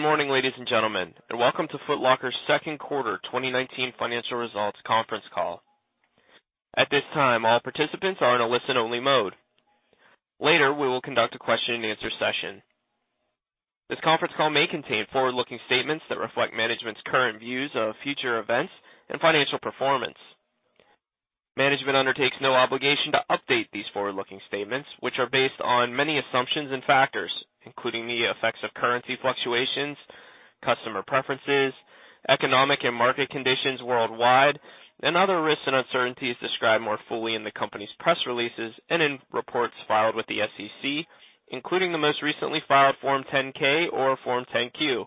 Good morning, ladies and gentlemen, and welcome to Foot Locker's second quarter 2019 financial results conference call. At this time, all participants are in a listen-only mode. Later, we will conduct a question-and-answer session. This conference call may contain forward-looking statements that reflect management's current views of future events and financial performance. Management undertakes no obligation to update these forward-looking statements, which are based on many assumptions and factors, including the effects of currency fluctuations, customer preferences, economic and market conditions worldwide, and other risks and uncertainties described more fully in the company's press releases and in reports filed with the SEC, including the most recently filed Form 10-K or Form 10-Q.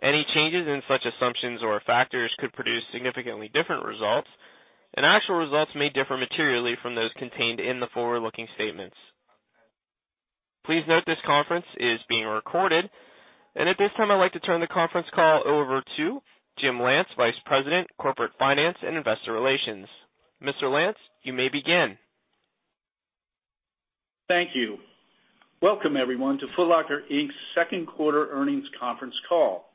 Any changes in such assumptions or factors could produce significantly different results, and actual results may differ materially from those contained in the forward-looking statements. Please note this conference is being recorded. At this time, I'd like to turn the conference call over to James Lance, Vice President, Corporate Finance and Investor Relations. Mr. Lance, you may begin. Thank you. Welcome, everyone, to Foot Locker, Inc.'s second quarter earnings conference call.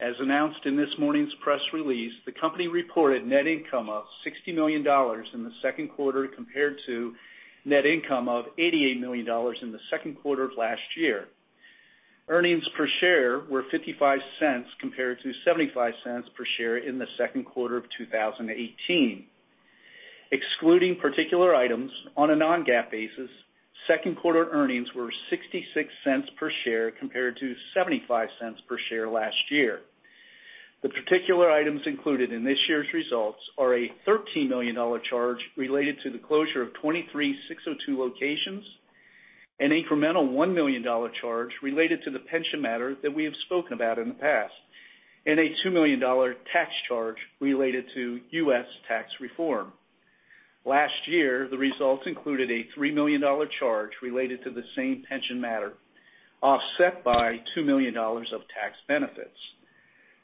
As announced in this morning's press release, the company reported net income of $60 million in the second quarter compared to net income of $88 million in the second quarter of last year. Earnings per share were $0.55 compared to $0.75 per share in the second quarter of 2018. Excluding particular items on a non-GAAP basis, second-quarter earnings were $0.66 per share compared to $0.75 per share last year. The particular items included in this year's results are a $13 million charge related to the closure of 23 SIX:02 locations, an incremental $1 million charge related to the pension matter that we have spoken about in the past, and a $2 million tax charge related to U.S. tax reform. Last year, the results included a $3 million charge related to the same pension matter, offset by $2 million of tax benefits.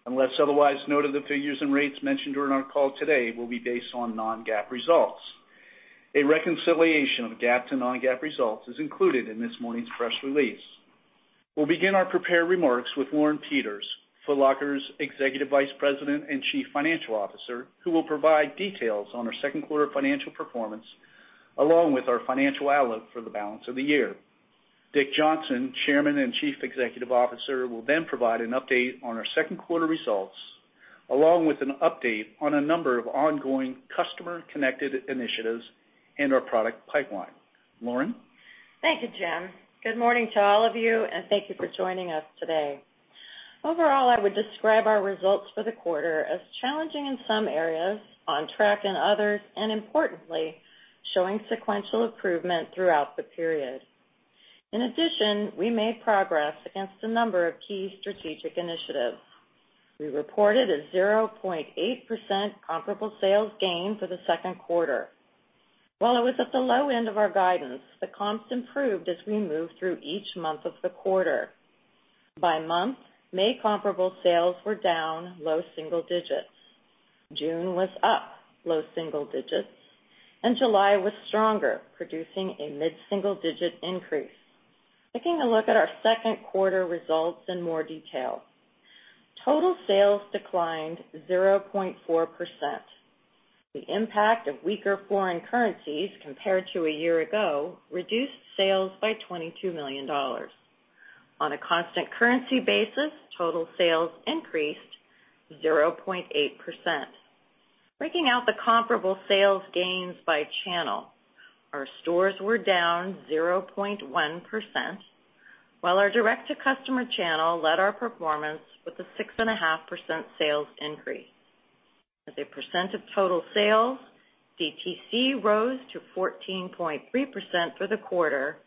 Unless otherwise noted, the figures and rates mentioned during our call today will be based on non-GAAP results. A reconciliation of GAAP to non-GAAP results is included in this morning's press release. We'll begin our prepared remarks with Lauren Peters, Foot Locker's Executive Vice President and Chief Financial Officer, who will provide details on our second quarter financial performance, along with our financial outlook for the balance of the year. Richard Johnson, Chairman and Chief Executive Officer, will then provide an update on our second quarter results, along with an update on a number of ongoing customer-connected initiatives in our product pipeline. Lauren? Thank you, Jim. Good morning to all of you, and thank you for joining us today. Overall, I would describe our results for the quarter as challenging in some areas, on track in others, importantly, showing sequential improvement throughout the period. In addition, we made progress against a number of key strategic initiatives. We reported a 0.8% comparable sales gain for the second quarter. While it was at the low end of our guidance, the comps improved as we moved through each month of the quarter. By month, May comparable sales were down low single digits. June was up low single digits, July was stronger, producing a mid-single-digit increase. Taking a look at our second quarter results in more detail. Total sales declined 0.4%. The impact of weaker foreign currencies compared to a year ago reduced sales by $22 million. On a constant currency basis, total sales increased 0.8%. Breaking out the comparable sales gains by channel, our stores were down 0.1%, while our direct-to-customer channel led our performance with a 6.5% sales increase. As a percent of total sales, DTC rose to 14.3% for the quarter,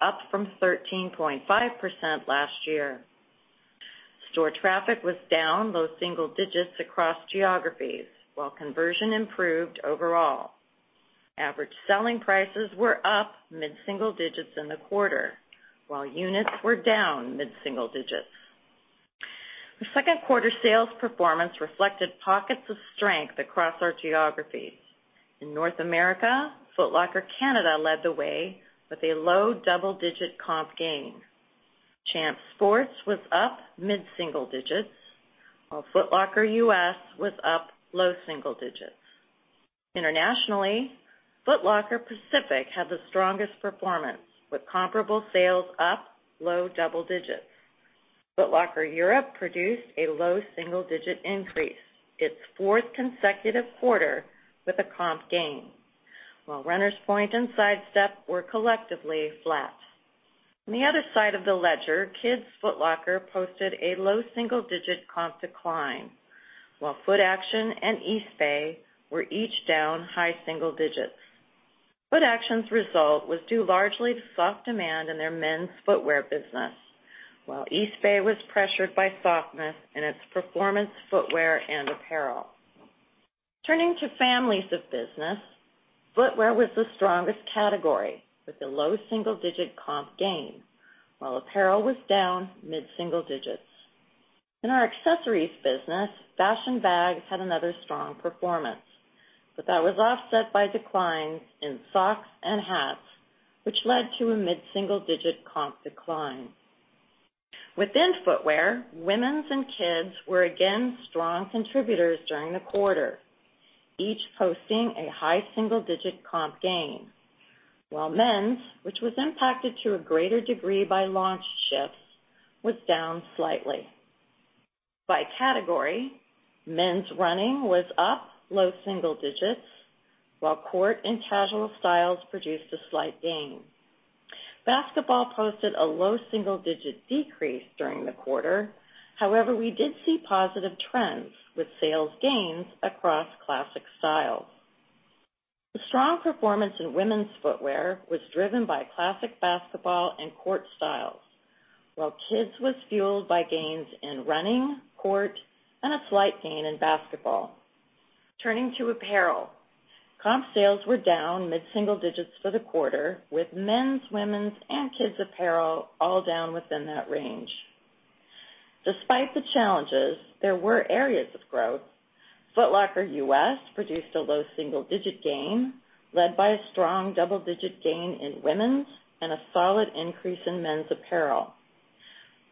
up from 13.5% last year. Store traffic was down low single digits across geographies, while conversion improved overall. Average selling prices were up mid-single digits in the quarter, while units were down mid-single digits. The second quarter sales performance reflected pockets of strength across our geographies. In North America, Foot Locker Canada led the way with a low double-digit comp gain. Champs Sports was up mid-single digits, while Foot Locker U.S. was up low single digits. Internationally, Foot Locker Pacific had the strongest performance, with comparable sales up low double digits. Foot Locker Europe produced a low single-digit increase, its fourth consecutive quarter with a comp gain, while Runners Point and Sidestep were collectively flat. On the other side of the ledger, Kids Foot Locker posted a low single-digit comp decline, while Footaction and Eastbay were each down high single digits. Footaction's result was due largely to soft demand in their men's footwear business, while Eastbay was pressured by softness in its performance footwear and apparel. Turning to families of business, footwear was the strongest category with a low single-digit comp gain, while apparel was down mid-single digits. In our accessories business, fashion bags had another strong performance, but that was offset by declines in socks and hats, which led to a mid-single-digit comp decline. Within footwear, women's and kids' were again strong contributors during the quarter, each posting a high single-digit comp gain. While men's, which was impacted to a greater degree by launch shifts, was down slightly. By category, men's running was up low single digits, while court and casual styles produced a slight gain. Basketball posted a low single-digit decrease during the quarter. We did see positive trends with sales gains across classic styles. The strong performance in women's footwear was driven by classic basketball and court styles, while kids' was fueled by gains in running, court, and a slight gain in basketball. Turning to apparel. Comp sales were down mid-single digits for the quarter with men's, women's, and kids apparel all down within that range. Despite the challenges, there were areas of growth. Foot Locker U.S. produced a low single-digit gain, led by a strong double-digit gain in women's and a solid increase in men's apparel.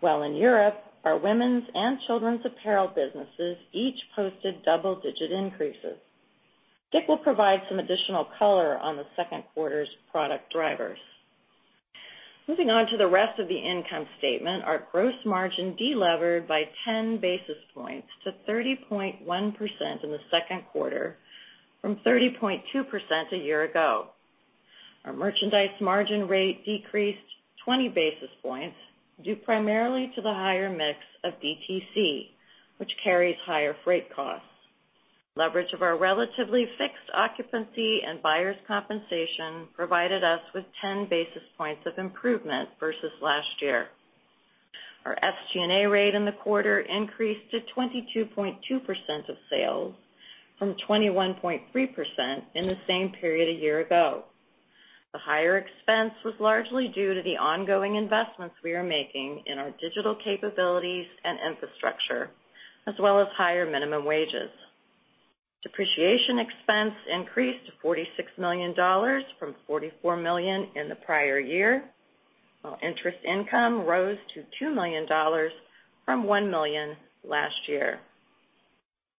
In Europe, our women's and children's apparel businesses each posted double-digit increases. Dick will provide some additional color on the second quarter's product drivers. Moving on to the rest of the income statement, our gross margin delevered by 10 basis points to 30.1% in the second quarter from 30.2% a year ago. Our merchandise margin rate decreased 20 basis points due primarily to the higher mix of DTC, which carries higher freight costs. Leverage of our relatively fixed occupancy and buyer's compensation provided us with 10 basis points of improvement versus last year. Our SG&A rate in the quarter increased to 22.2% of sales from 21.3% in the same period a year ago. The higher expense was largely due to the ongoing investments we are making in our digital capabilities and infrastructure, as well as higher minimum wages. Depreciation expense increased to $46 million from $44 million in the prior year, while interest income rose to $2 million from $1 million last year.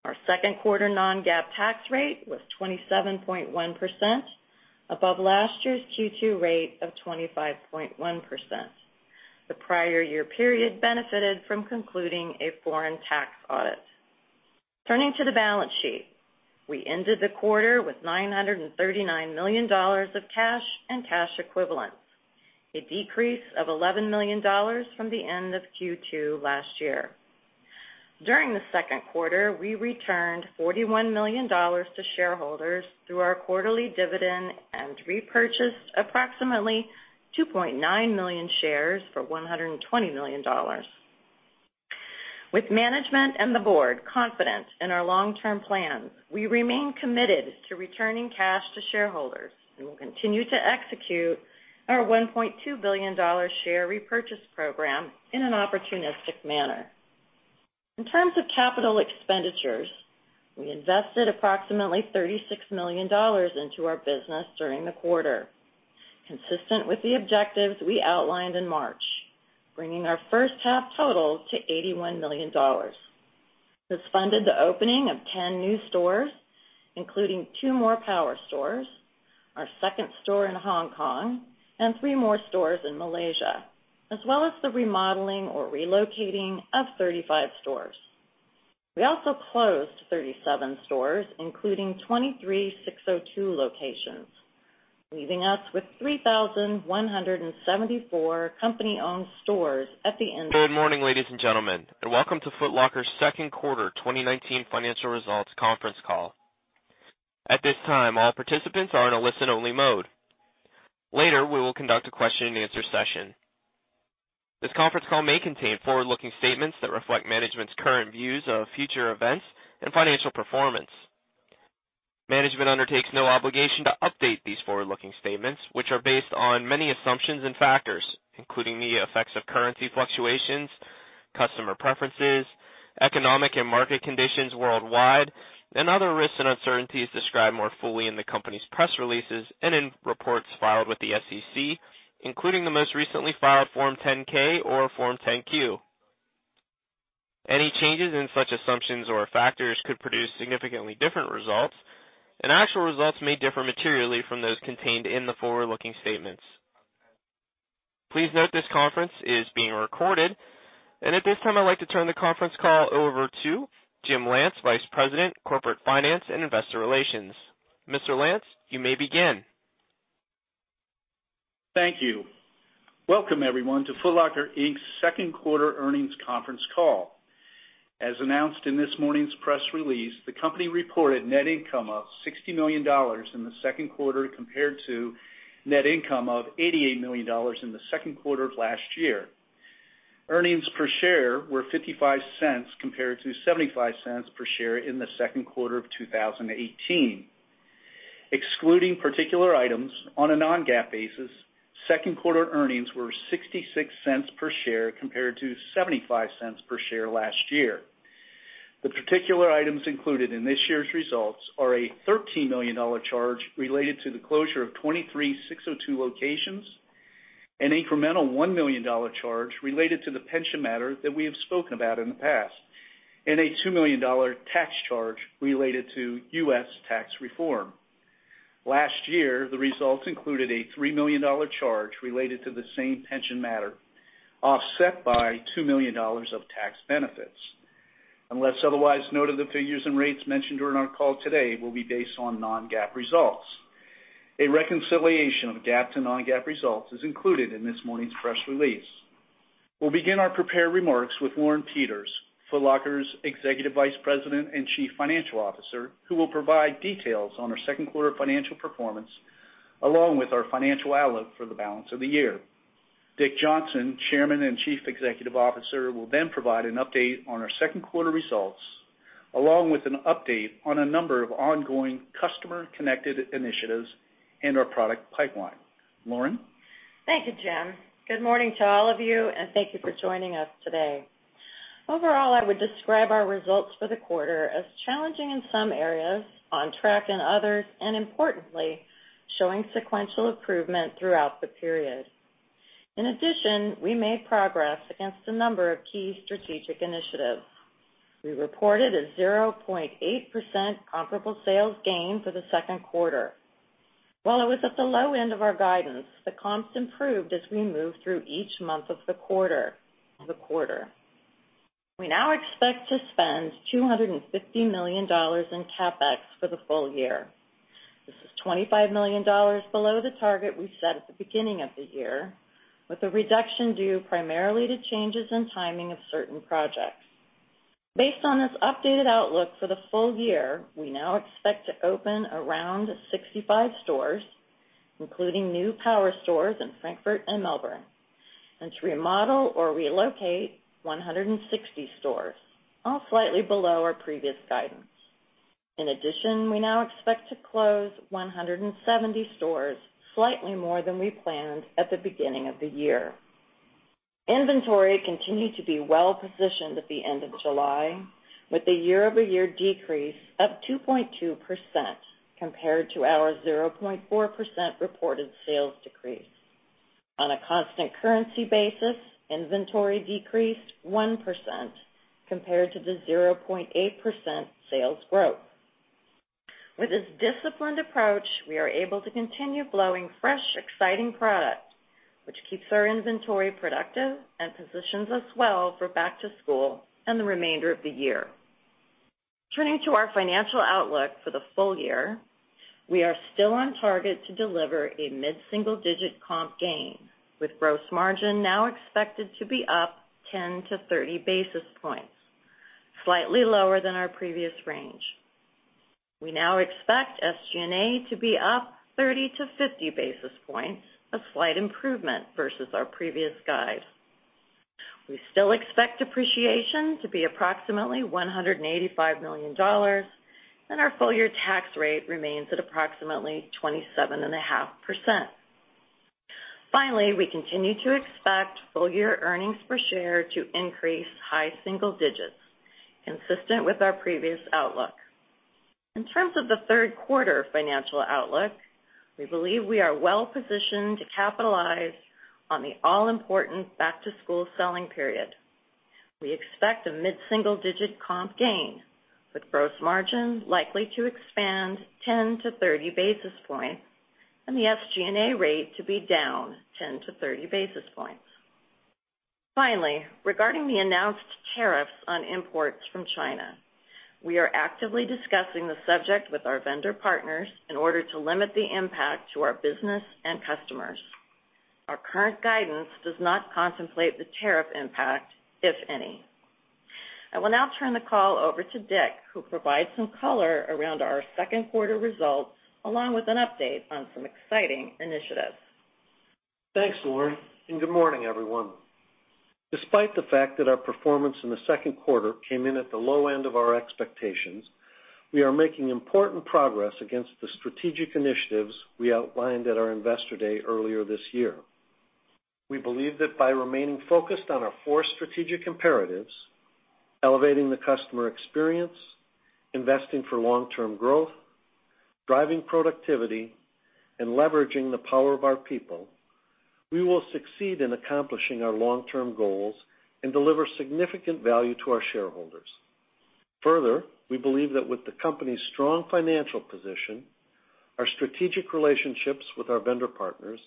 Our second quarter non-GAAP tax rate was 27.1%, above last year's Q2 rate of 25.1%. The prior year period benefited from concluding a foreign tax audit. Turning to the balance sheet. We ended the quarter with $939 million of cash and cash equivalents, a decrease of $11 million from the end of Q2 last year. During the second quarter, we returned $41 million to shareholders through our quarterly dividend and repurchased approximately 2.9 million shares for $120 million. With management and the board confident in our long-term plans, we remain committed to returning cash to shareholders and will continue to execute our $1.2 billion share repurchase program in an opportunistic manner. In terms of capital expenditures, we invested approximately $36 million into our business during the quarter, consistent with the objectives we outlined in March, bringing our first half totals to $81 million. This funded the opening of 10 new stores, including two more power stores, our second store in Hong Kong, and three more stores in Malaysia, as well as the remodeling or relocating of 35 stores. We also closed 37 stores, including 23 SIX:02 locations, leaving us with 3,174 company-owned stores at the end. Good morning, ladies and gentlemen, and welcome to Foot Locker's second quarter 2019 financial results conference call. At this time, all participants are in a listen-only mode. Later, we will conduct a question and answer session. This conference call may contain forward-looking statements that reflect management's current views of future events and financial performance. Management undertakes no obligation to update these forward-looking statements, which are based on many assumptions and factors, including the effects of currency fluctuations, customer preferences, economic and market conditions worldwide, and other risks and uncertainties described more fully in the company's press releases and in reports filed with the SEC, including the most recently filed Form 10-K or Form 10-Q. Any changes in such assumptions or factors could produce significantly different results, and actual results may differ materially from those contained in the forward-looking statements. Please note this conference is being recorded. At this time, I'd like to turn the conference call over to James Lance, Vice President, Corporate Finance and Investor Relations. Mr. Lance, you may begin. Thank you. Welcome, everyone, to Foot Locker, Inc.'s second quarter earnings conference call. As announced in this morning's press release, the company reported net income of $60 million in the second quarter compared to net income of $88 million in the second quarter of last year. Earnings per share were $0.55 compared to $0.75 per share in the second quarter of 2018. Excluding particular items on a non-GAAP basis, second quarter earnings were $0.66 per share compared to $0.75 per share last year. The particular items included in this year's results are a $13 million charge related to the closure of 23 SIX:02 locations, an incremental $1 million charge related to the pension matter that we have spoken about in the past, and a $2 million tax charge related to U.S. tax reform. Last year, the results included a $3 million charge related to the same pension matter, offset by $2 million of tax benefits. Unless otherwise noted, the figures and rates mentioned during our call today will be based on non-GAAP results. A reconciliation of GAAP to non-GAAP results is included in this morning's press release. We'll begin our prepared remarks with Lauren Peters, Foot Locker's Executive Vice President and Chief Financial Officer, who will provide details on our second quarter financial performance, along with our financial outlook for the balance of the year. Richard Johnson, Chairman and Chief Executive Officer, will provide an update on our second quarter results, along with an update on a number of ongoing customer-connected initiatives in our product pipeline. Lauren? Thank you, Jim. Good morning to all of you, and thank you for joining us today. Overall, I would describe our results for the quarter as challenging in some areas, on track in others, and importantly, showing sequential improvement throughout the period. We made progress against a number of key strategic initiatives. We reported a 0.8% comparable sales gain for the second quarter. While it was at the low end of our guidance, the comps improved as we moved through each month of the quarter. We now expect to spend $250 million in CapEx for the full year. This is $25 million below the target we set at the beginning of the year, with the reduction due primarily to changes in timing of certain projects. Based on this updated outlook for the full year, we now expect to open around 65 stores, including new power stores in Frankfurt and Melbourne, and to remodel or relocate 160 stores, all slightly below our previous guidance. In addition, we now expect to close 170 stores, slightly more than we planned at the beginning of the year. Inventory continued to be well positioned at the end of July, with a year-over-year decrease of 2.2%, compared to our 0.4% reported sales decrease. On a constant currency basis, inventory decreased 1%, compared to the 0.8% sales growth. With this disciplined approach, we are able to continue flowing fresh, exciting product, which keeps our inventory productive and positions us well for back to school and the remainder of the year. Turning to our financial outlook for the full year, we are still on target to deliver a mid-single-digit comp gain, with gross margin now expected to be up 10-30 basis points, slightly lower than our previous range. We now expect SG&A to be up 30-50 basis points, a slight improvement versus our previous guide. We still expect depreciation to be approximately $185 million, and our full-year tax rate remains at approximately 27.5%. Finally, we continue to expect full-year earnings per share to increase high single digits, consistent with our previous outlook. In terms of the third quarter financial outlook, we believe we are well-positioned to capitalize on the all-important back-to-school selling period. We expect a mid-single-digit comp gain, with gross margin likely to expand 10-30 basis points and the SG&A rate to be down 10-30 basis points. Finally, regarding the announced tariffs on imports from China, we are actively discussing the subject with our vendor partners in order to limit the impact to our business and customers. Our current guidance does not contemplate the tariff impact, if any. I will now turn the call over to Dick, who will provide some color around our second quarter results, along with an update on some exciting initiatives. Thanks, Lauren, and good morning, everyone. Despite the fact that our performance in the second quarter came in at the low end of our expectations, we are making important progress against the Strategic Initiatives we outlined at our Investor Day earlier this year. We believe that by remaining focused on our four Strategic Imperatives, Elevating the Customer Experience, Investing for Long-Term Growth, Driving Productivity, and Leveraging the Power of Our People, we will succeed in accomplishing our long-term goals and deliver significant value to our shareholders. Further, we believe that with the company's strong financial position, our strategic relationships with our vendor partners,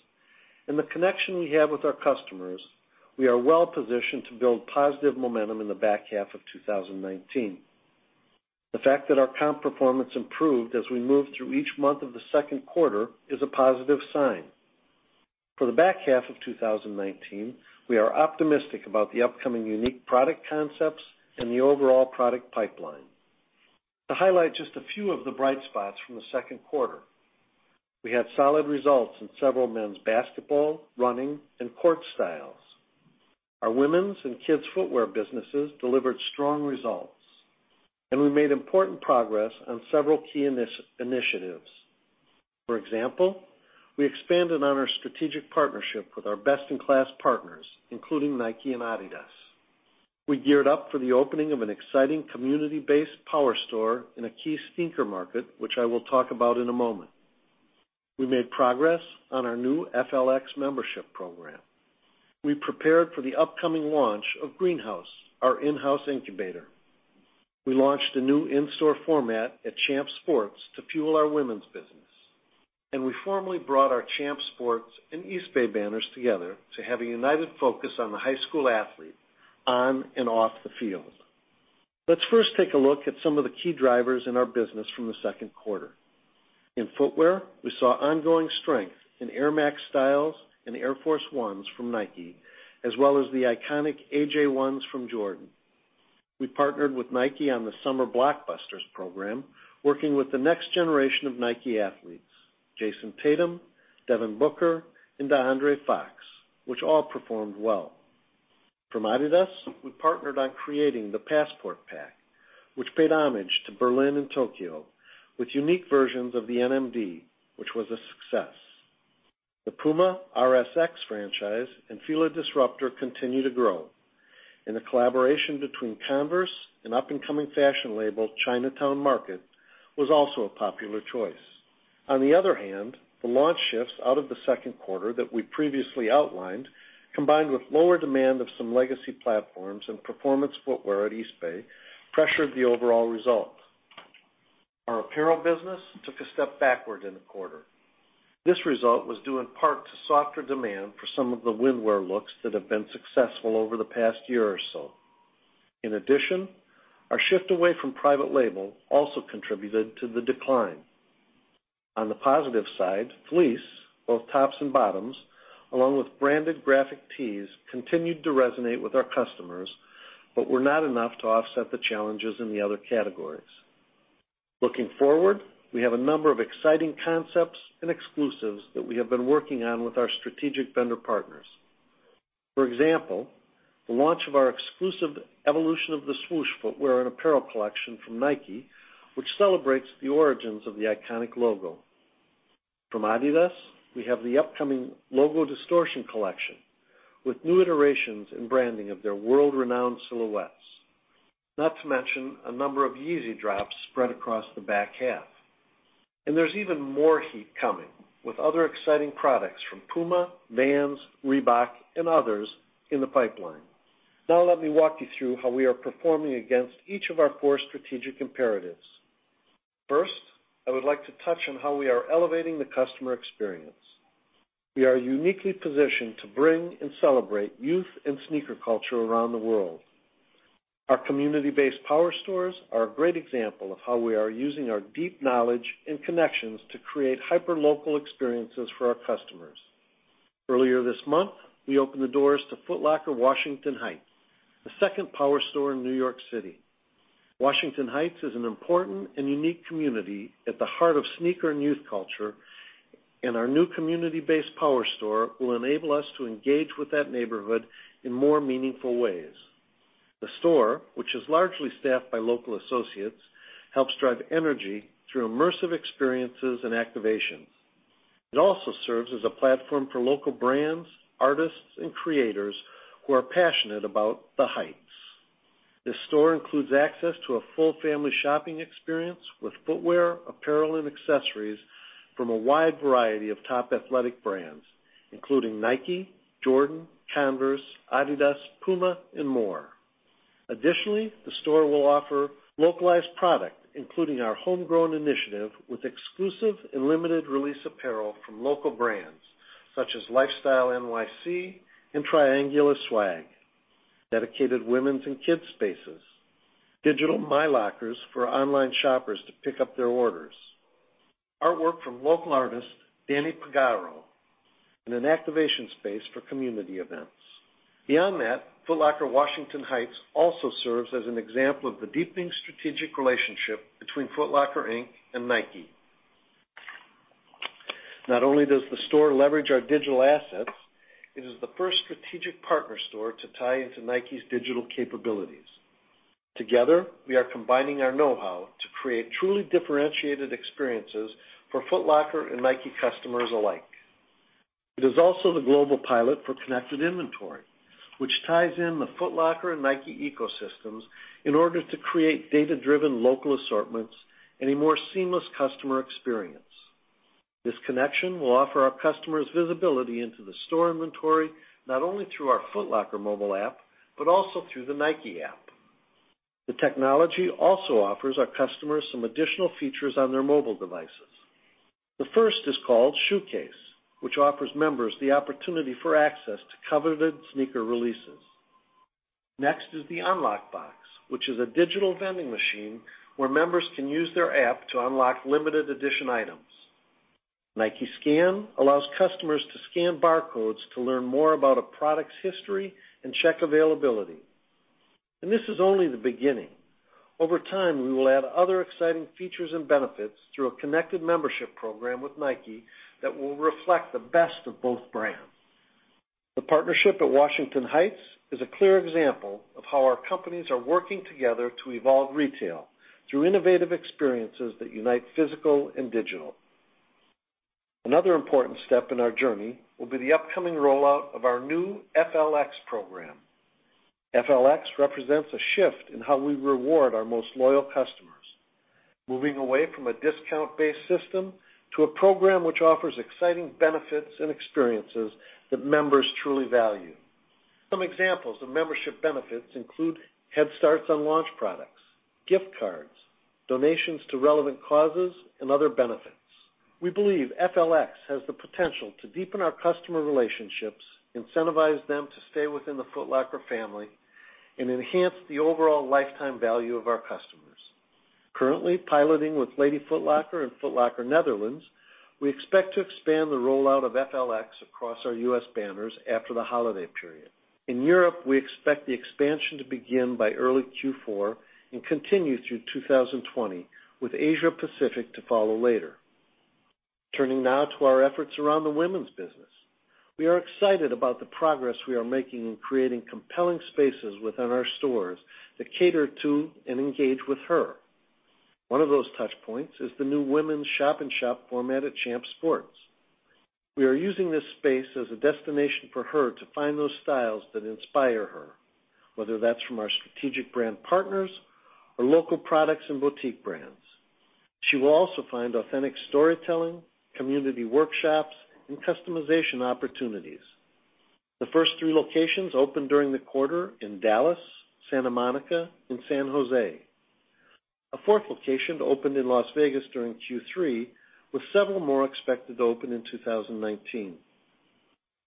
and the connection we have with our customers, we are well-positioned to build positive momentum in the back half of 2019. The fact that our comp performance improved as we moved through each month of the second quarter is a positive sign. For the back half of 2019, we are optimistic about the upcoming unique product concepts and the overall product pipeline. To highlight just a few of the bright spots from the second quarter, we had solid results in several men's basketball, running, and court styles. Our women's and kids footwear businesses delivered strong results, and we made important progress on several key initiatives. For example, we expanded on our strategic partnership with our best-in-class partners, including Nike and adidas. We geared up for the opening of an exciting community-based power store in a key sneaker market, which I will talk about in a moment. We made progress on our new FLX membership program. We prepared for the upcoming launch of Greenhouse, our in-house incubator. We launched a new in-store format at Champs Sports to fuel our women's business. We formally brought our Champs Sports and Eastbay banners together to have a united focus on the high school athlete on and off the field. Let's first take a look at some of the key drivers in our business from the second quarter. In footwear, we saw ongoing strength in Air Max styles and Air Force 1s from Nike, as well as the iconic AJ1s from Jordan. We partnered with Nike on the Summer Blockbusters program, working with the next generation of Nike athletes, Jayson Tatum, Devin Booker, and De'Aaron Fox, which all performed well. From adidas, we partnered on creating the Passport Pack, which paid homage to Berlin and Tokyo with unique versions of the NMD, which was a success. The Puma RS-X franchise and Fila Disruptor continue to grow. The collaboration between Converse and up-and-coming fashion label, Chinatown Market, was also a popular choice. On the other hand, the launch shifts out of the second quarter that we previously outlined, combined with lower demand of some legacy platforms and performance footwear at Eastbay, pressured the overall result. Our apparel business took a step backward in the quarter. This result was due in part to softer demand for some of the windwear looks that have been successful over the past year or so. In addition, our shift away from private label also contributed to the decline. On the positive side, fleece, both tops and bottoms, along with branded graphic tees, continued to resonate with our customers, but were not enough to offset the challenges in the other categories. Looking forward, we have a number of exciting concepts and exclusives that we have been working on with our strategic vendor partners. For example, the launch of our exclusive Evolution of the Swoosh footwear and apparel collection from Nike, which celebrates the origins of the iconic logo. From Adidas, we have the upcoming Logo Distortion collection with new iterations and branding of their world-renowned silhouettes. Not to mention, a number of Yeezy drops spread across the back half. There's even more heat coming with other exciting products from Puma, Vans, Reebok, and others in the pipeline. Now let me walk you through how we are performing against each of our core strategic imperatives. First, I would like to touch on how we are elevating the customer experience. We are uniquely positioned to bring and celebrate youth and sneaker culture around the world. Our community-based power stores are a great example of how we are using our deep knowledge and connections to create hyperlocal experiences for our customers. Earlier this month, we opened the doors to Foot Locker Washington Heights, the second power store in New York City. Washington Heights is an important and unique community at the heart of sneaker and youth culture, and our new community-based power store will enable us to engage with that neighborhood in more meaningful ways. The store, which is largely staffed by local associates, helps drive energy through immersive experiences and activations. It also serves as a platform for local brands, artists, and creators who are passionate about the Heights. This store includes access to a full family shopping experience with footwear, apparel, and accessories from a wide variety of top athletic brands, including Nike, Jordan, Converse, adidas, Puma, and more. Additionally, the store will offer localized product, including our homegrown initiative with exclusive and limited-release apparel from local brands such as LifestyleNYC and Triangular Swag, dedicated women's and kids' spaces, digital myLockers for online shoppers to pick up their orders, artwork from local artist Danny Pellegrino, and an activation space for community events. Beyond that, Foot Locker Washington Heights also serves as an example of the deepening strategic relationship between Foot Locker, Inc. and Nike. Not only does the store leverage our digital assets, it is the first strategic partner store to tie into Nike's digital capabilities. Together, we are combining our know-how to create truly differentiated experiences for Foot Locker and Nike customers alike. It is also the global pilot for connected inventory, which ties in the Foot Locker and Nike ecosystems in order to create data-driven local assortments and a more seamless customer experience. This connection will offer our customers visibility into the store inventory, not only through our Foot Locker mobile app, but also through the Nike app. The technology also offers our customers some additional features on their mobile devices. The first is called ShoeCase, which offers members the opportunity for access to coveted sneaker releases. Next is the Unlock Box, which is a digital vending machine where members can use their app to unlock limited edition items. Nike Fit allows customers to scan barcodes to learn more about a product's history and check availability. This is only the beginning. Over time, we will add other exciting features and benefits through a connected membership program with Nike that will reflect the best of both brands. The partnership at Washington Heights is a clear example of how our companies are working together to evolve retail through innovative experiences that unite physical and digital. Another important step in our journey will be the upcoming rollout of our new FLX program. FLX represents a shift in how we reward our most loyal customers, moving away from a discount-based system to a program which offers exciting benefits and experiences that members truly value. Some examples of membership benefits include head starts on launch products, gift cards, donations to relevant causes, and other benefits. We believe FLX has the potential to deepen our customer relationships, incentivize them to stay within the Foot Locker family, and enhance the overall lifetime value of our customers. Currently piloting with Lady Foot Locker and Foot Locker Netherlands, we expect to expand the rollout of FLX across our U.S. banners after the holiday period. In Europe, we expect the expansion to begin by early Q4 and continue through 2020, with Asia Pacific to follow later. Turning now to our efforts around the women's business. We are excited about the progress we are making in creating compelling spaces within our stores that cater to and engage with her. One of those touchpoints is the new women's shop-in-shop format at Champs Sports. We are using this space as a destination for her to find those styles that inspire her, whether that's from our strategic brand partners or local products and boutique brands. She will also find authentic storytelling, community workshops, and customization opportunities. The first three locations opened during the quarter in Dallas, Santa Monica, and San Jose. A fourth location opened in Las Vegas during Q3, with several more expected to open in 2019.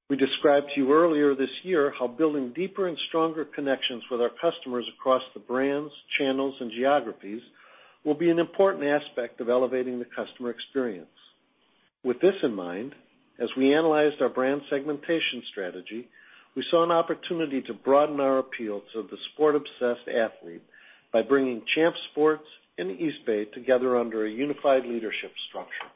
We described to you earlier this year how building deeper and stronger connections with our customers across the brands, channels, and geographies will be an important aspect of elevating the customer experience. With this in mind, as we analyzed our brand segmentation strategy, we saw an opportunity to broaden our appeal to the sport-obsessed athlete by bringing Champs Sports and Eastbay together under a unified leadership structure.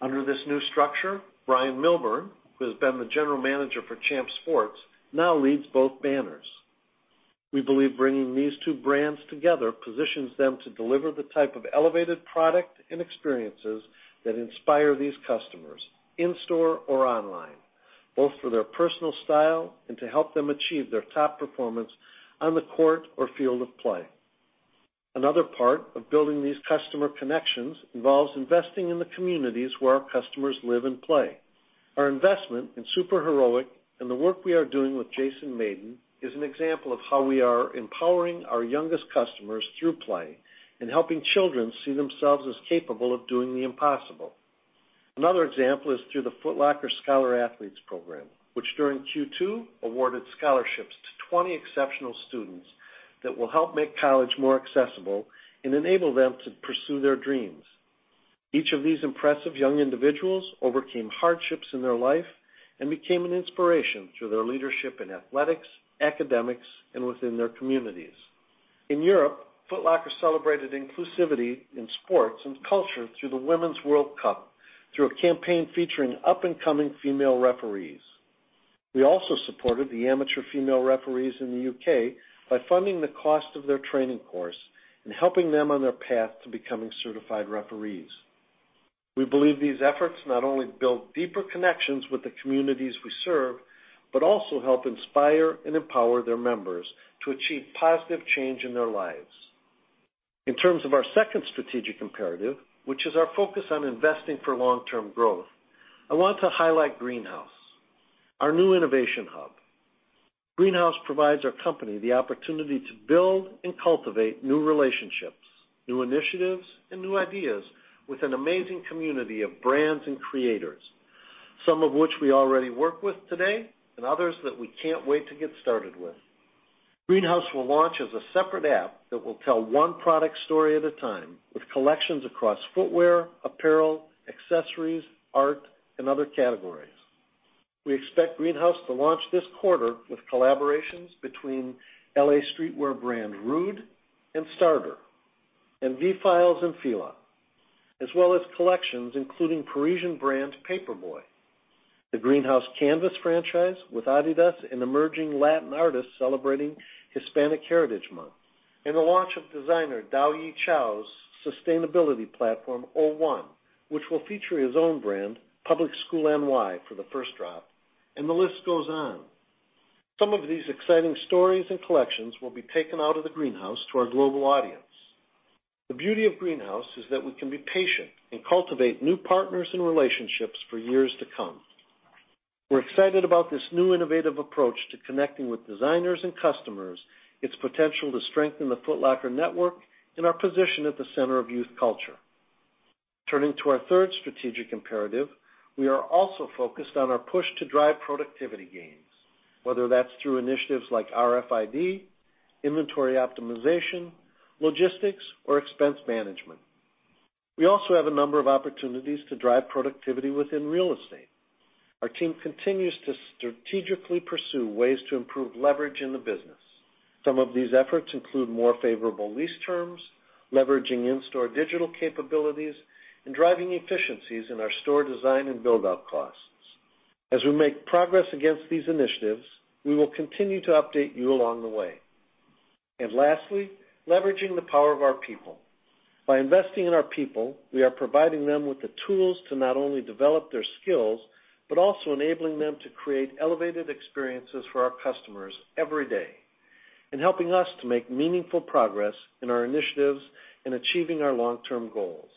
Under this new structure, Bryon Milburn, who has been the general manager for Champs Sports, now leads both banners. We believe bringing these two brands together positions them to deliver the type of elevated product and experiences that inspire these customers, in store or online, both for their personal style and to help them achieve their top performance on the court or field of play. Another part of building these customer connections involves investing in the communities where our customers live and play. Our investment in SuperHeroic and the work we are doing with Jason Mayden is an example of how we are empowering our youngest customers through play and helping children see themselves as capable of doing the impossible. Another example is through the Foot Locker Scholar Athletes program, which during Q2 awarded scholarships to 20 exceptional students that will help make college more accessible and enable them to pursue their dreams. Each of these impressive young individuals overcame hardships in their life and became an inspiration through their leadership in athletics, academics, and within their communities. In Europe, Foot Locker celebrated inclusivity in sports and culture through the Women's World Cup through a campaign featuring up-and-coming female referees. We also supported the amateur female referees in the U.K. by funding the cost of their training course and helping them on their path to becoming certified referees. We believe these efforts not only build deeper connections with the communities we serve but also help inspire and empower their members to achieve positive change in their lives. In terms of our second strategic imperative, which is our focus on investing for long-term growth, I want to highlight Greenhouse, our new innovation hub. Greenhouse provides our company the opportunity to build and cultivate new relationships, new initiatives, and new ideas with an amazing community of brands and creators, some of which we already work with today and others that we can't wait to get started with. Greenhouse will launch as a separate app that will tell one product story at a time, with collections across footwear, apparel, accessories, art, and other categories. We expect Greenhouse to launch this quarter with collaborations between L.A. streetwear brand Rhude and Starter, VFiles and Fila, as well as collections including Parisian brand Paperboy, the Greenhouse Canvas franchise with Adidas and emerging Latin artists celebrating National Hispanic Heritage Month, and the launch of designer Dao-Yi Chow's sustainability platform, O-1, which will feature his own brand, Public School NY, for the first drop. The list goes on. Some of these exciting stories and collections will be taken out of the Greenhouse to our global audience. The beauty of Greenhouse is that we can be patient and cultivate new partners and relationships for years to come. We're excited about this new innovative approach to connecting with designers and customers, its potential to strengthen the Foot Locker network, and our position at the center of youth culture. Turning to our third strategic imperative, we are also focused on our push to drive productivity gains, whether that's through initiatives like RFID, inventory optimization, logistics, or expense management. We also have a number of opportunities to drive productivity within real estate. Our team continues to strategically pursue ways to improve leverage in the business. Some of these efforts include more favorable lease terms, leveraging in-store digital capabilities, and driving efficiencies in our store design and build-out costs. As we make progress against these initiatives, we will continue to update you along the way. Lastly, leveraging the power of our people. By investing in our people, we are providing them with the tools to not only develop their skills, but also enabling them to create elevated experiences for our customers every day, and helping us to make meaningful progress in our initiatives in achieving our long-term goals.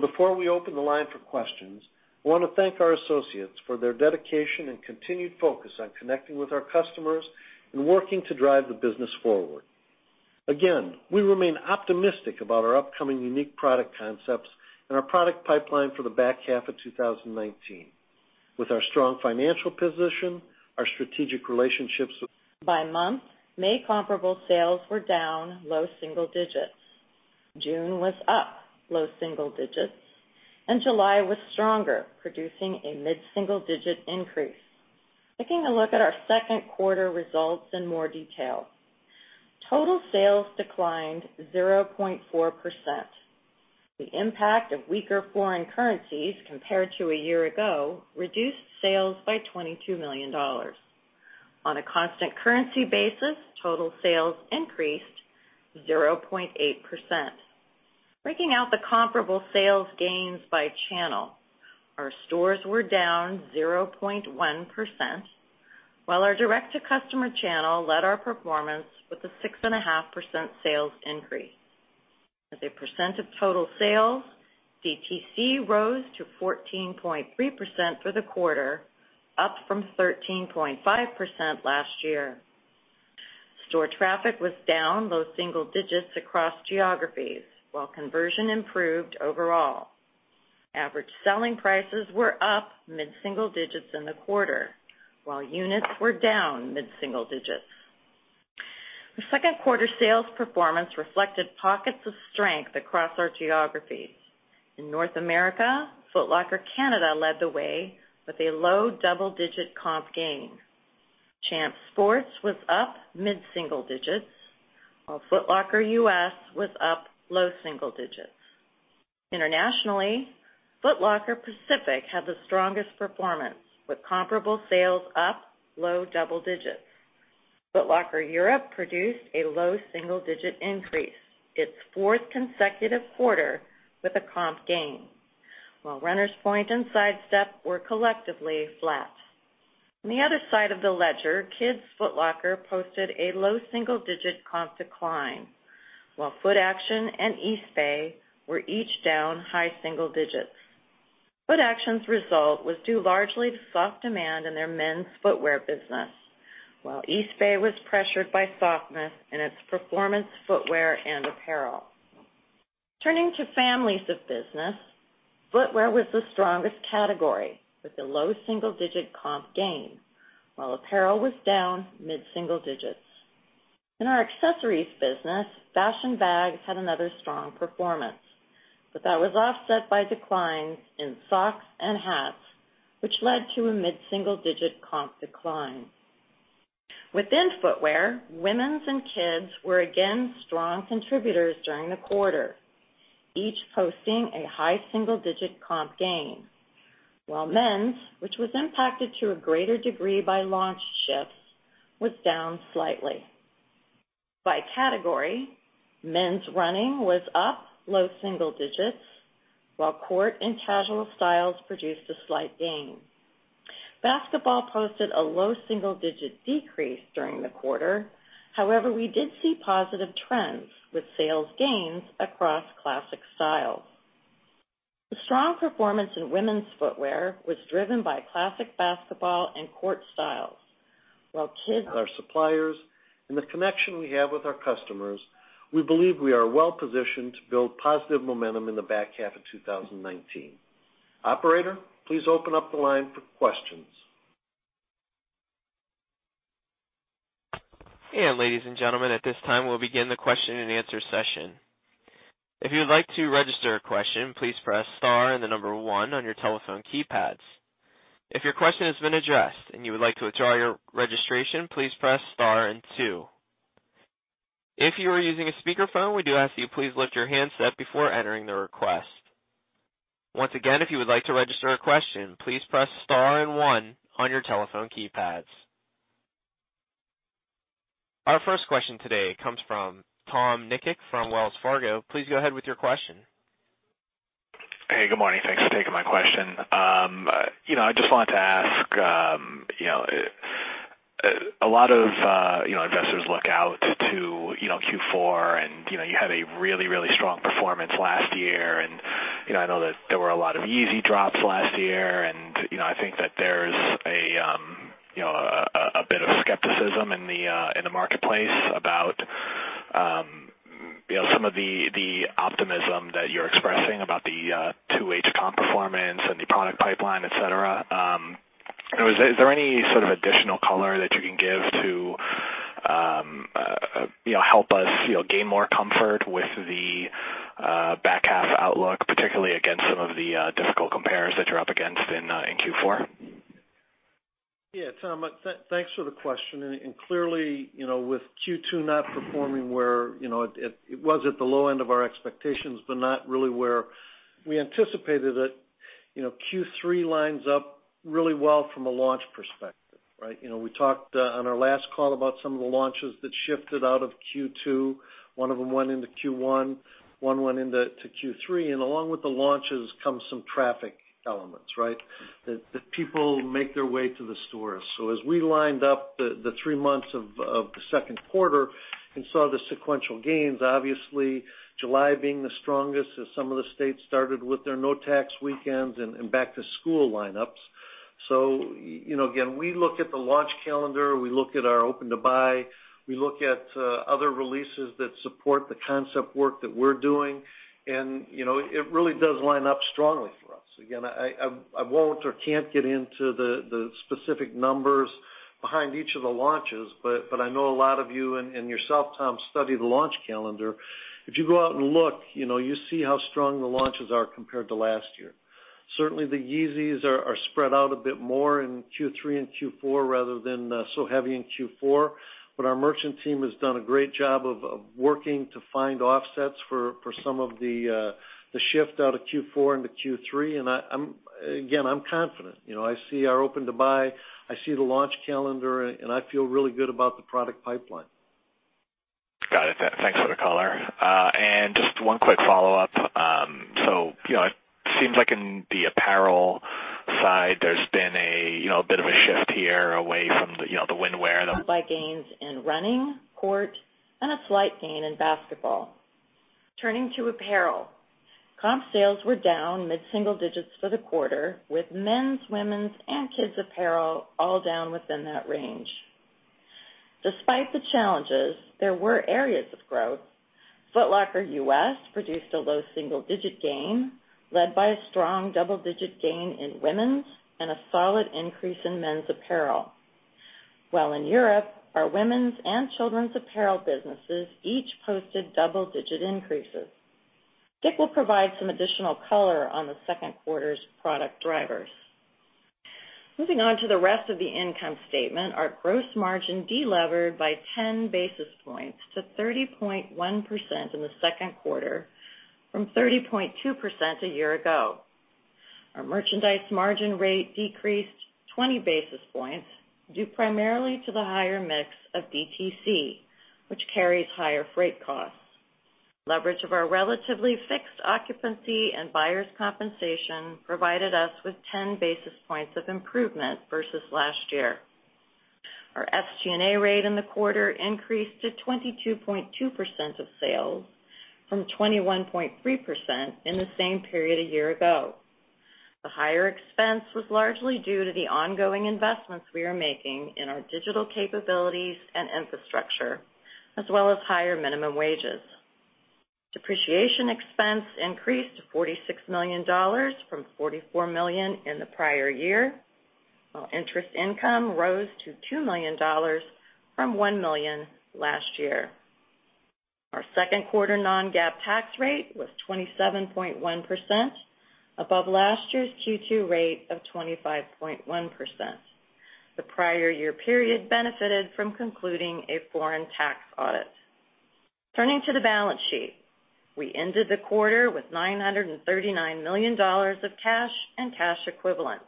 Before we open the line for questions, I want to thank our associates for their dedication and continued focus on connecting with our customers and working to drive the business forward. Again, we remain optimistic about our upcoming unique product concepts and our product pipeline for the back half of 2019. With our strong financial position, our strategic relationships. By month, May comparable sales were down low single digits. June was up low single digits, and July was stronger, producing a mid-single-digit increase. Taking a look at our second quarter results in more detail. Total sales declined 0.4%. The impact of weaker foreign currencies compared to a year ago reduced sales by $22 million. On a constant currency basis, total sales increased 0.8%. Breaking out the comparable sales gains by channel, our stores were down 0.1%, while our direct to customer channel led our performance with a 6.5% sales increase. As a percent of total sales, DTC rose to 14.3% for the quarter, up from 13.5% last year. Store traffic was down low single digits across geographies, while conversion improved overall. Average selling prices were up mid-single digits in the quarter, while units were down mid-single digits. The second quarter sales performance reflected pockets of strength across our geographies. In North America, Foot Locker Canada led the way with a low double-digit comp gain. Champs Sports was up mid-single digits, while Foot Locker U.S. was up low single digits. Internationally, Foot Locker Pacific had the strongest performance, with comparable sales up low double digits. Foot Locker Europe produced a low single-digit increase, its fourth consecutive quarter with a comp gain, while Runners Point and Sidestep were collectively flat. On the other side of the ledger, Kids Foot Locker posted a low single-digit comp decline, while Footaction and Eastbay were each down high single digits. Footaction's result was due largely to soft demand in their men's footwear business, while Eastbay was pressured by softness in its performance footwear and apparel. Turning to families of business, footwear was the strongest category with a low single-digit comp gain, while apparel was down mid-single digits. In our accessories business, fashion bags had another strong performance, but that was offset by declines in socks and hats, which led to a mid-single-digit comp decline. Within footwear, women's and kids' were again strong contributors during the quarter, each posting a high single-digit comp gain. While men's, which was impacted to a greater degree by launch shifts, was down slightly. By category, men's running was up low single digits, while court and casual styles produced a slight gain. Basketball posted a low single-digit decrease during the quarter. However, we did see positive trends with sales gains across classic styles. The strong performance in women's footwear was driven by classic basketball and court styles, while kids'. Our suppliers, and the connection we have with our customers, we believe we are well positioned to build positive momentum in the back half of 2019. Operator, please open up the line for questions. Ladies and gentlemen, at this time, we'll begin the question and answer session. If you would like to register a question, please press star and the number 1 on your telephone keypads. If your question has been addressed and you would like to withdraw your registration, please press star and 2. If you are using a speakerphone, we do ask you please lift your handset before entering the request. Once again, if you would like to register a question, please press star and 1 on your telephone keypads. Our first question today comes from Tom Nikic from Wells Fargo. Please go ahead with your question. Hey, good morning. Thanks for taking my question. I just wanted to ask, a lot of investors look out to Q4 and you had a really strong performance last year, and I know that there were a lot of Yeezy drops last year and I think that there's a bit of skepticism in the marketplace about some of the optimism that you're expressing about the two-digit comp performance and the product pipeline, et cetera. Is there any sort of additional color that you can help us gain more comfort with the back half outlook, particularly against some of the difficult compares that you're up against in Q4? Yeah, Tom, thanks for the question. Clearly, with Q2 not performing, it was at the low end of our expectations, but not really where we anticipated it. Q3 lines up really well from a launch perspective, right? We talked on our last call about some of the launches that shifted out of Q2. One of them went into Q1, one went into Q3, along with the launches come some traffic elements, right? That people make their way to the stores. As we lined up the three months of the second quarter and saw the sequential gains, obviously July being the strongest as some of the states started with their no-tax weekends and back-to-school lineups. Again, we look at the launch calendar, we look at our open-to-buy, we look at other releases that support the concept work that we're doing, and it really does line up strongly for us. Again, I won't or can't get into the specific numbers behind each of the launches, but I know a lot of you and yourself, Tom, study the launch calendar. If you go out and look, you see how strong the launches are compared to last year. Certainly, the Yeezys are spread out a bit more in Q3 and Q4 rather than so heavy in Q4. Our merchant team has done a great job of working to find offsets for some of the shift out of Q4 into Q3, and again, I'm confident. I see our open-to-buy, I see the launch calendar, and I feel really good about the product pipeline. Got it. Thanks for the color. Just one quick follow-up. It seems like in the apparel side, there's been a bit of a shift here away from the windwear- By gains in running, court, and a slight gain in basketball. Turning to apparel. Comp sales were down mid-single digits for the quarter, with men's, women's, and kids' apparel all down within that range. Despite the challenges, there were areas of growth. Foot Locker U.S. produced a low single-digit gain, led by a strong double-digit gain in women's and a solid increase in men's apparel. While in Europe, our women's and children's apparel businesses each posted double-digit increases. Dick will provide some additional color on the second quarter's product drivers. Moving on to the rest of the income statement, our gross margin delevered by 10 basis points to 30.1% in the second quarter from 30.2% a year ago. Our merchandise margin rate decreased 20 basis points due primarily to the higher mix of DTC, which carries higher freight costs. Leverage of our relatively fixed occupancy and buyer's compensation provided us with 10 basis points of improvement versus last year. Our SG&A rate in the quarter increased to 22.2% of sales from 21.3% in the same period a year ago. The higher expense was largely due to the ongoing investments we are making in our digital capabilities and infrastructure, as well as higher minimum wages. Depreciation expense increased to $46 million from $44 million in the prior year. While interest income rose to $2 million from $1 million last year. Our second quarter non-GAAP tax rate was 27.1%, above last year's Q2 rate of 25.1%. The prior year period benefited from concluding a foreign tax audit. Turning to the balance sheet. We ended the quarter with $939 million of cash and cash equivalents,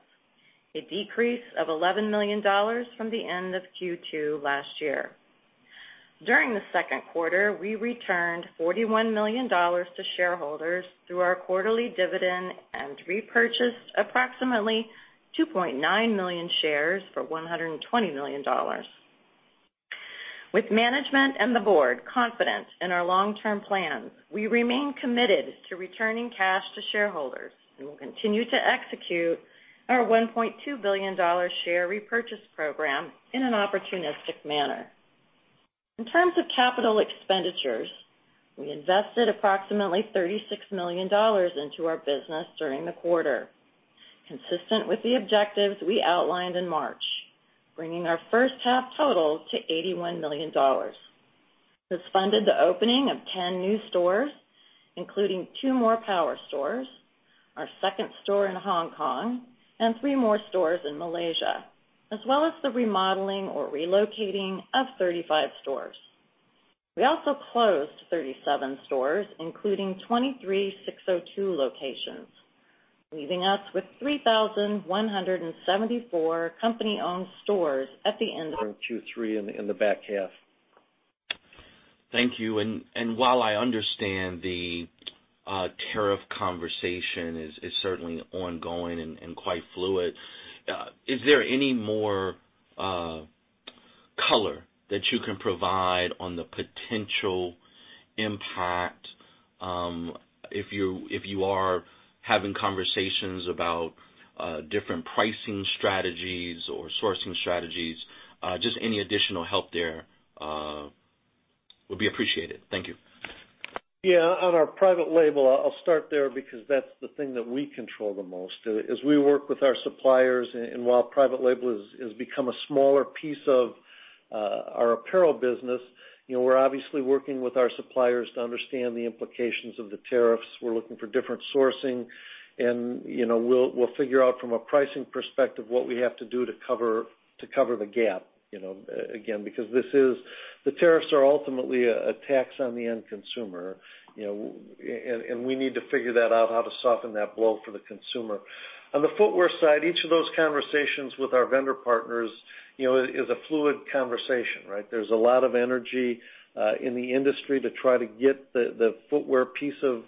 a decrease of $11 million from the end of Q2 last year. During the second quarter, we returned $41 million to shareholders through our quarterly dividend and repurchased approximately 2.9 million shares for $120 million. With management and the board confident in our long-term plans, we remain committed to returning cash to shareholders and will continue to execute our $1.2 billion share repurchase program in an opportunistic manner. In terms of capital expenditures, we invested approximately $36 million into our business during the quarter. Consistent with the objectives we outlined in March, bringing our first half totals to $81 million. This funded the opening of 10 new stores, including 2 more power stores, our second store in Hong Kong, and 3 more stores in Malaysia, as well as the remodeling or relocating of 35 stores. We also closed 37 stores, including 23 SIX:02 locations, leaving us with 3,174 company-owned stores at the end of. Q3 in the back half. Thank you. While I understand the tariff conversation is certainly ongoing and quite fluid, is there any more color that you can provide on the potential impact if you are having conversations about different pricing strategies or sourcing strategies? Just any additional help there would be appreciated. Thank you. Yeah. On our private label, I'll start there because that's the thing that we control the most. As we work with our suppliers, and while private label has become a smaller piece of our apparel business, we're obviously working with our suppliers to understand the implications of the tariffs. We're looking for different sourcing, and we'll figure out from a pricing perspective, what we have to do to cover the gap. Again, because the tariffs are ultimately a tax on the end consumer, and we need to figure that out, how to soften that blow for the consumer. On the footwear side, each of those conversations with our vendor partners is a fluid conversation, right? There's a lot of energy in the industry to try to get the footwear piece of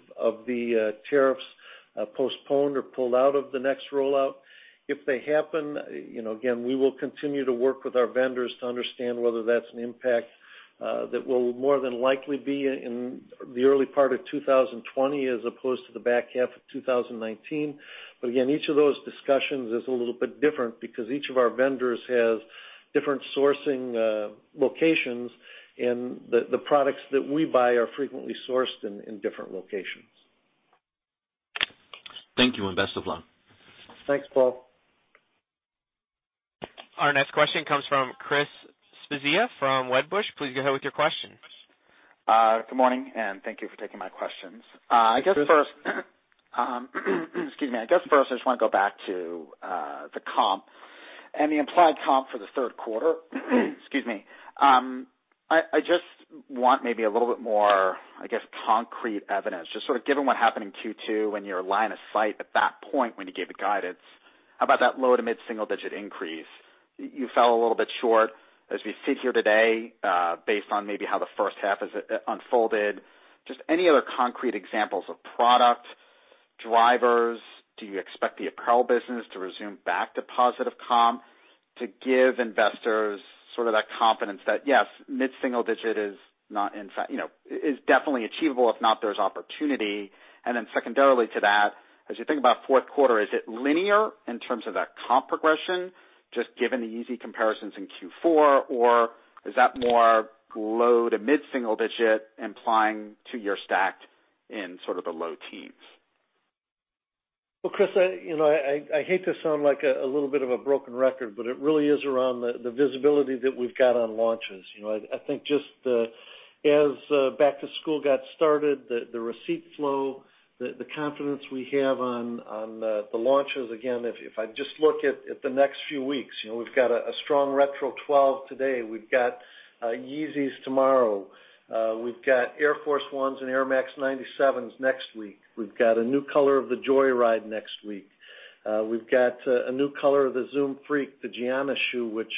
the tariffs postponed or pulled out of the next rollout. If they happen, again, we will continue to work with our vendors to understand whether that's an impact that will more than likely be in the early part of 2020 as opposed to the back half of 2019. Again, each of those discussions is a little bit different because each of our vendors has different sourcing locations, and the products that we buy are frequently sourced in different locations. Thank you, and best of luck. Thanks, Paul. Our next question comes from Chris Svezia from Wedbush. Please go ahead with your question. Good morning. Thank you for taking my questions. Chris. Excuse me. I guess first I just want to go back to the comp and the implied comp for the third quarter. Excuse me. I just want maybe a little bit more, I guess, concrete evidence, just sort of given what happened in Q2 and your line of sight at that point when you gave the guidance about that low to mid-single-digit increase. You fell a little bit short. As we sit here today, based on maybe how the first half has unfolded, just any other concrete examples of product drivers? Do you expect the apparel business to resume back to positive comp to give investors sort of that confidence that, yes, mid-single-digit is definitely achievable, if not, there's opportunity. Secondarily to that, as you think about fourth quarter, is it linear in terms of that comp progression, just given the easy comparisons in Q4, or is that more low to mid-single-digit implying to your stacked in sort of the low teens? Well, Chris, I hate to sound like a little bit of a broken record, it really is around the visibility that we've got on launches. I think just as back to school got started, the receipt flow, the confidence we have on the launches. Again, if I just look at the next few weeks, we've got a strong Retro 12 today. We've got Yeezys tomorrow. We've got Air Force 1s and Air Max 97s next week. We've got a new color of the Joyride next week. We've got a new color of the Zoom Freak, the Giannis shoe, which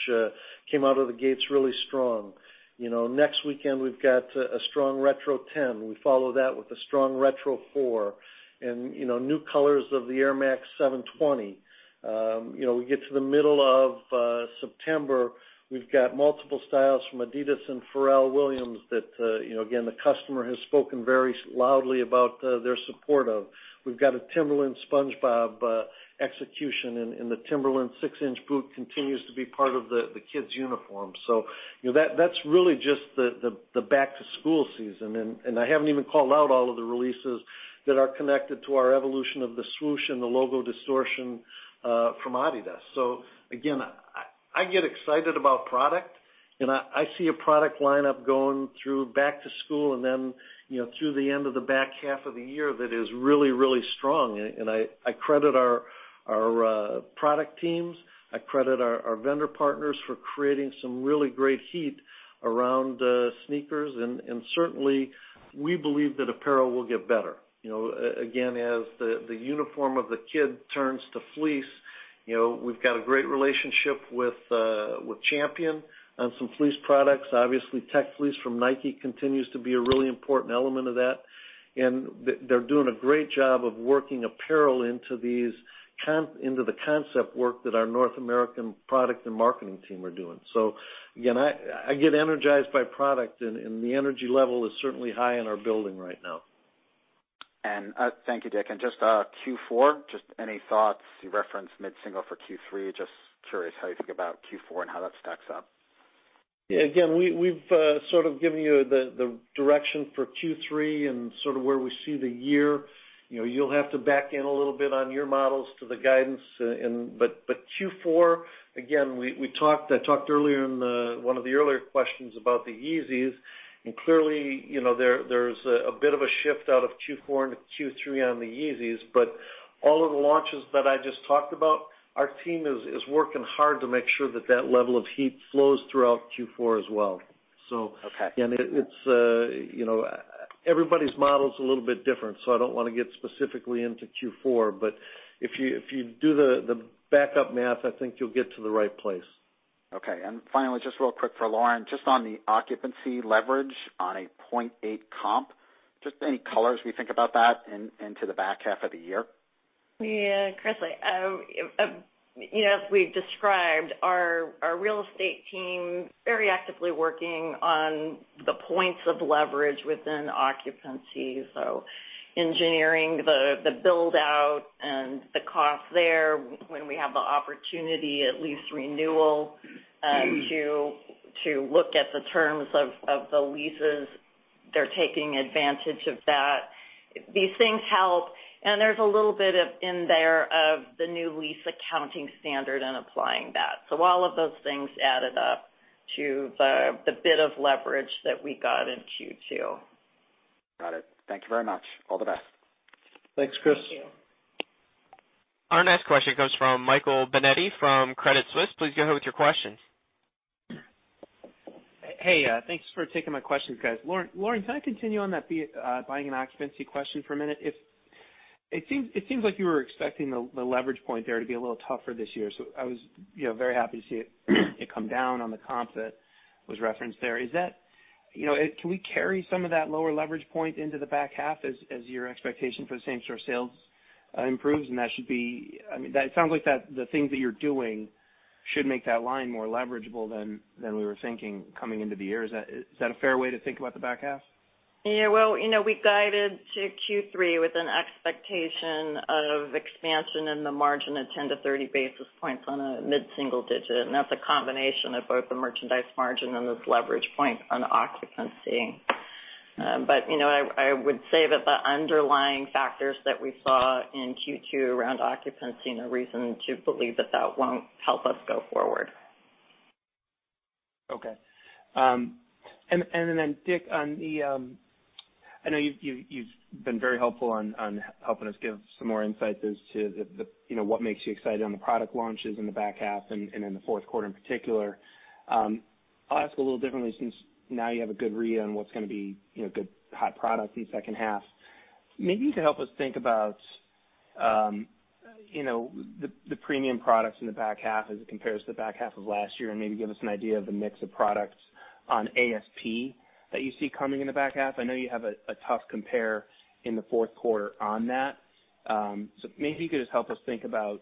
came out of the gates really strong. Next weekend, we've got a strong Retro 10. We follow that with a strong Retro 4 and new colors of the Air Max 720. We get to the middle of September, we've got multiple styles from Adidas and Pharrell Williams that, again, the customer has spoken very loudly about their support of. We've got a Timberland SpongeBob execution, and the Timberland six-inch boot continues to be part of the kids' uniform. That's really just the back-to-school season. I haven't even called out all of the releases that are connected to our Evolution of the Swoosh and the Logo Distortion from Adidas. Again, I get excited about product, and I see a product lineup going through back to school and then through the end of the back half of the year, that is really, really strong. I credit our product teams. I credit our vendor partners for creating some really great heat around sneakers. Certainly, we believe that apparel will get better. As the uniform of the kid turns to fleece. We've got a great relationship with Champion on some fleece products. Obviously, Tech Fleece from Nike continues to be a really important element of that, and they're doing a great job of working apparel into the concept work that our North American product and marketing team are doing. I get energized by product, and the energy level is certainly high in our building right now. Thank you, Dick. Just Q4, just any thoughts? You referenced mid-single for Q3. Just curious how you think about Q4 and how that stacks up. Yeah. Again, we've sort of given you the direction for Q3 and sort of where we see the year. You'll have to back in a little bit on your models to the guidance. Q4, again, I talked earlier in one of the earlier questions about the Yeezys, and clearly, there's a bit of a shift out of Q4 into Q3 on the Yeezys. All of the launches that I just talked about, our team is working hard to make sure that that level of heat flows throughout Q4 as well. Okay. Everybody's model is a little bit different, so I don't want to get specifically into Q4, but if you do the backup math, I think you'll get to the right place. Okay. Finally, just real quick for Lauren, just on the occupancy leverage on a 0.8% comp, just any colors we think about that into the back half of the year? Yeah, Chris. As we've described, our real estate team very actively working on the points of leverage within occupancy. Engineering the build-out and the cost there when we have the opportunity at lease renewal to look at the terms of the leases, they're taking advantage of that. These things help, and there's a little bit in there of the new lease accounting standard and applying that. All of those things added up to the bit of leverage that we got in Q2. Got it. Thank you very much. All the best. Thanks, Chris. Thank you. Our next question comes from Michael Binetti from Credit Suisse. Please go ahead with your question. Hey, thanks for taking my questions, guys. Lauren, can I continue on that buying and occupancy question for a minute? It seems like you were expecting the leverage point there to be a little tougher this year, so I was very happy to see it come down on the comp that was referenced there. Can we carry some of that lower leverage point into the back half as your expectation for the same-store sales improves? It sounds like the things that you're doing should make that line more leverageable than we were thinking coming into the year. Is that a fair way to think about the back half? Well, we guided to Q3 with an expectation of expansion in the margin of 10 to 30 basis points on a mid-single digit, and that's a combination of both the merchandise margin and this leverage point on occupancy. I would say that the underlying factors that we saw in Q2 around occupancy are no reason to believe that that won't help us go forward. Okay. Dick, I know you've been very helpful on helping us give some more insights as to what makes you excited on the product launches in the back half and in the fourth quarter in particular. I'll ask a little differently since now you have a good read on what's going to be good, hot products in the second half. Maybe you could help us think about the premium products in the back half as it compares to the back half of last year and maybe give us an idea of the mix of products on ASP that you see coming in the back half. I know you have a tough compare in the fourth quarter on that. maybe you could just help us think about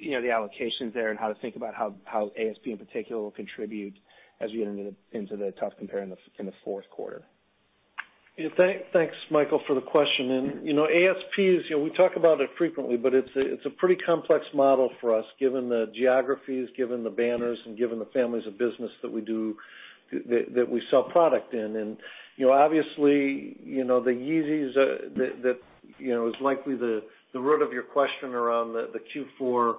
the allocations there and how to think about how ASP in particular will contribute as we get into the tough compare in the fourth quarter. Thanks, Michael, for the question. ASP, we talk about it frequently, but it's a pretty complex model for us given the geographies, given the banners, and given the families of business that we sell product in. Obviously, the Yeezys is likely the root of your question around the Q4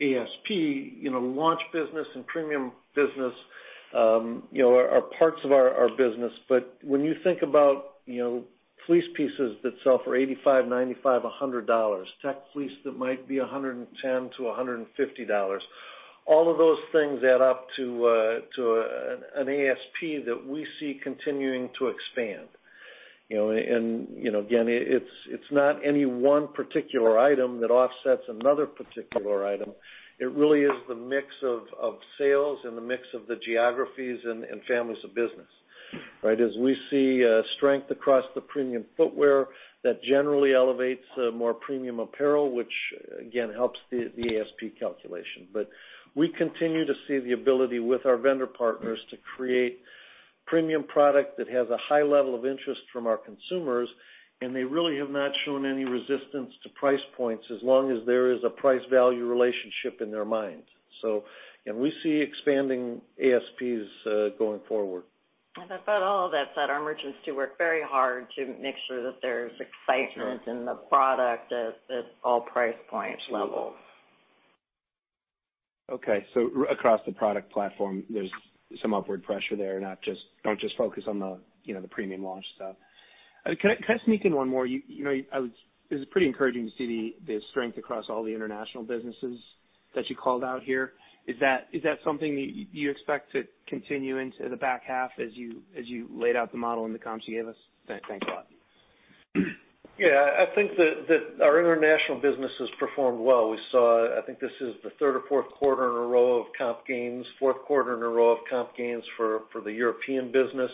ASP. Launch business and premium business are parts of our business. When you think about fleece pieces that sell for $85, $95, $100, Tech Fleece that might be $110 to $150, all of those things add up to an ASP that we see continuing to expand. Again, it's not any one particular item that offsets another particular item. It really is the mix of sales and the mix of the geographies and families of business. Right? As we see strength across the premium footwear, that generally elevates more premium apparel, which, again, helps the ASP calculation. We continue to see the ability with our vendor partners to create premium product that has a high level of interest from our consumers, and they really have not shown any resistance to price points as long as there is a price-value relationship in their minds. We see expanding ASPs going forward. About all of that said, our merchants do work very hard to make sure that there's excitement in the product at all price point levels. Okay. Across the product platform, there's some upward pressure there, don't just focus on the premium launch stuff. Can I sneak in one more? It was pretty encouraging to see the strength across all the international businesses that you called out here. Is that something that you expect to continue into the back half as you laid out the model and the comps you gave us? Thanks a lot. Yeah, I think that our international business has performed well. I think this is the third or fourth quarter in a row of comp gains, fourth quarter in a row of comp gains for the European business,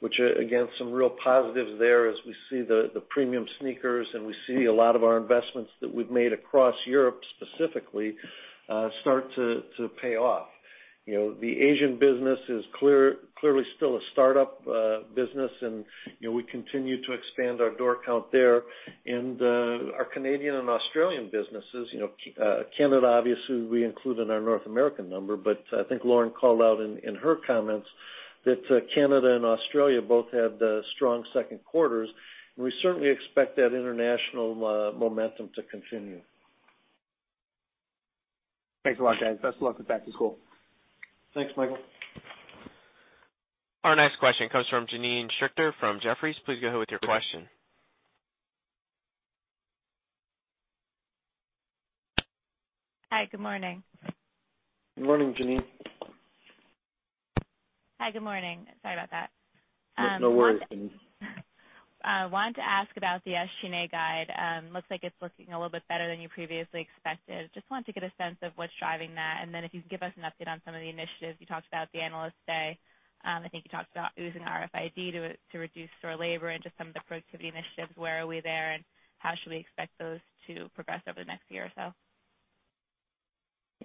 which again, some real positives there as we see the premium sneakers and we see a lot of our investments that we've made across Europe specifically start to pay off. The Asian business is clearly still a startup business. We continue to expand our door count there. Our Canadian and Australian businesses, Canada, obviously, we include in our North American number, but I think Lauren called out in her comments that Canada and Australia both had strong second quarters. We certainly expect that international momentum to continue. Thanks a lot, guys. Best of luck with back to school. Thanks, Michael. Our next question comes from Janine Stichter from Jefferies. Please go ahead with your question. Hi, good morning. Good morning, Janine. Hi, good morning. Sorry about that. No worries. I wanted to ask about the SG&A guide. Looks like it's looking a little bit better than you previously expected. Just wanted to get a sense of what's driving that, and then if you could give us an update on some of the initiatives you talked about at the Analyst Day. I think you talked about using RFID to reduce store labor and just some of the productivity initiatives. Where are we there, and how should we expect those to progress over the next year or so?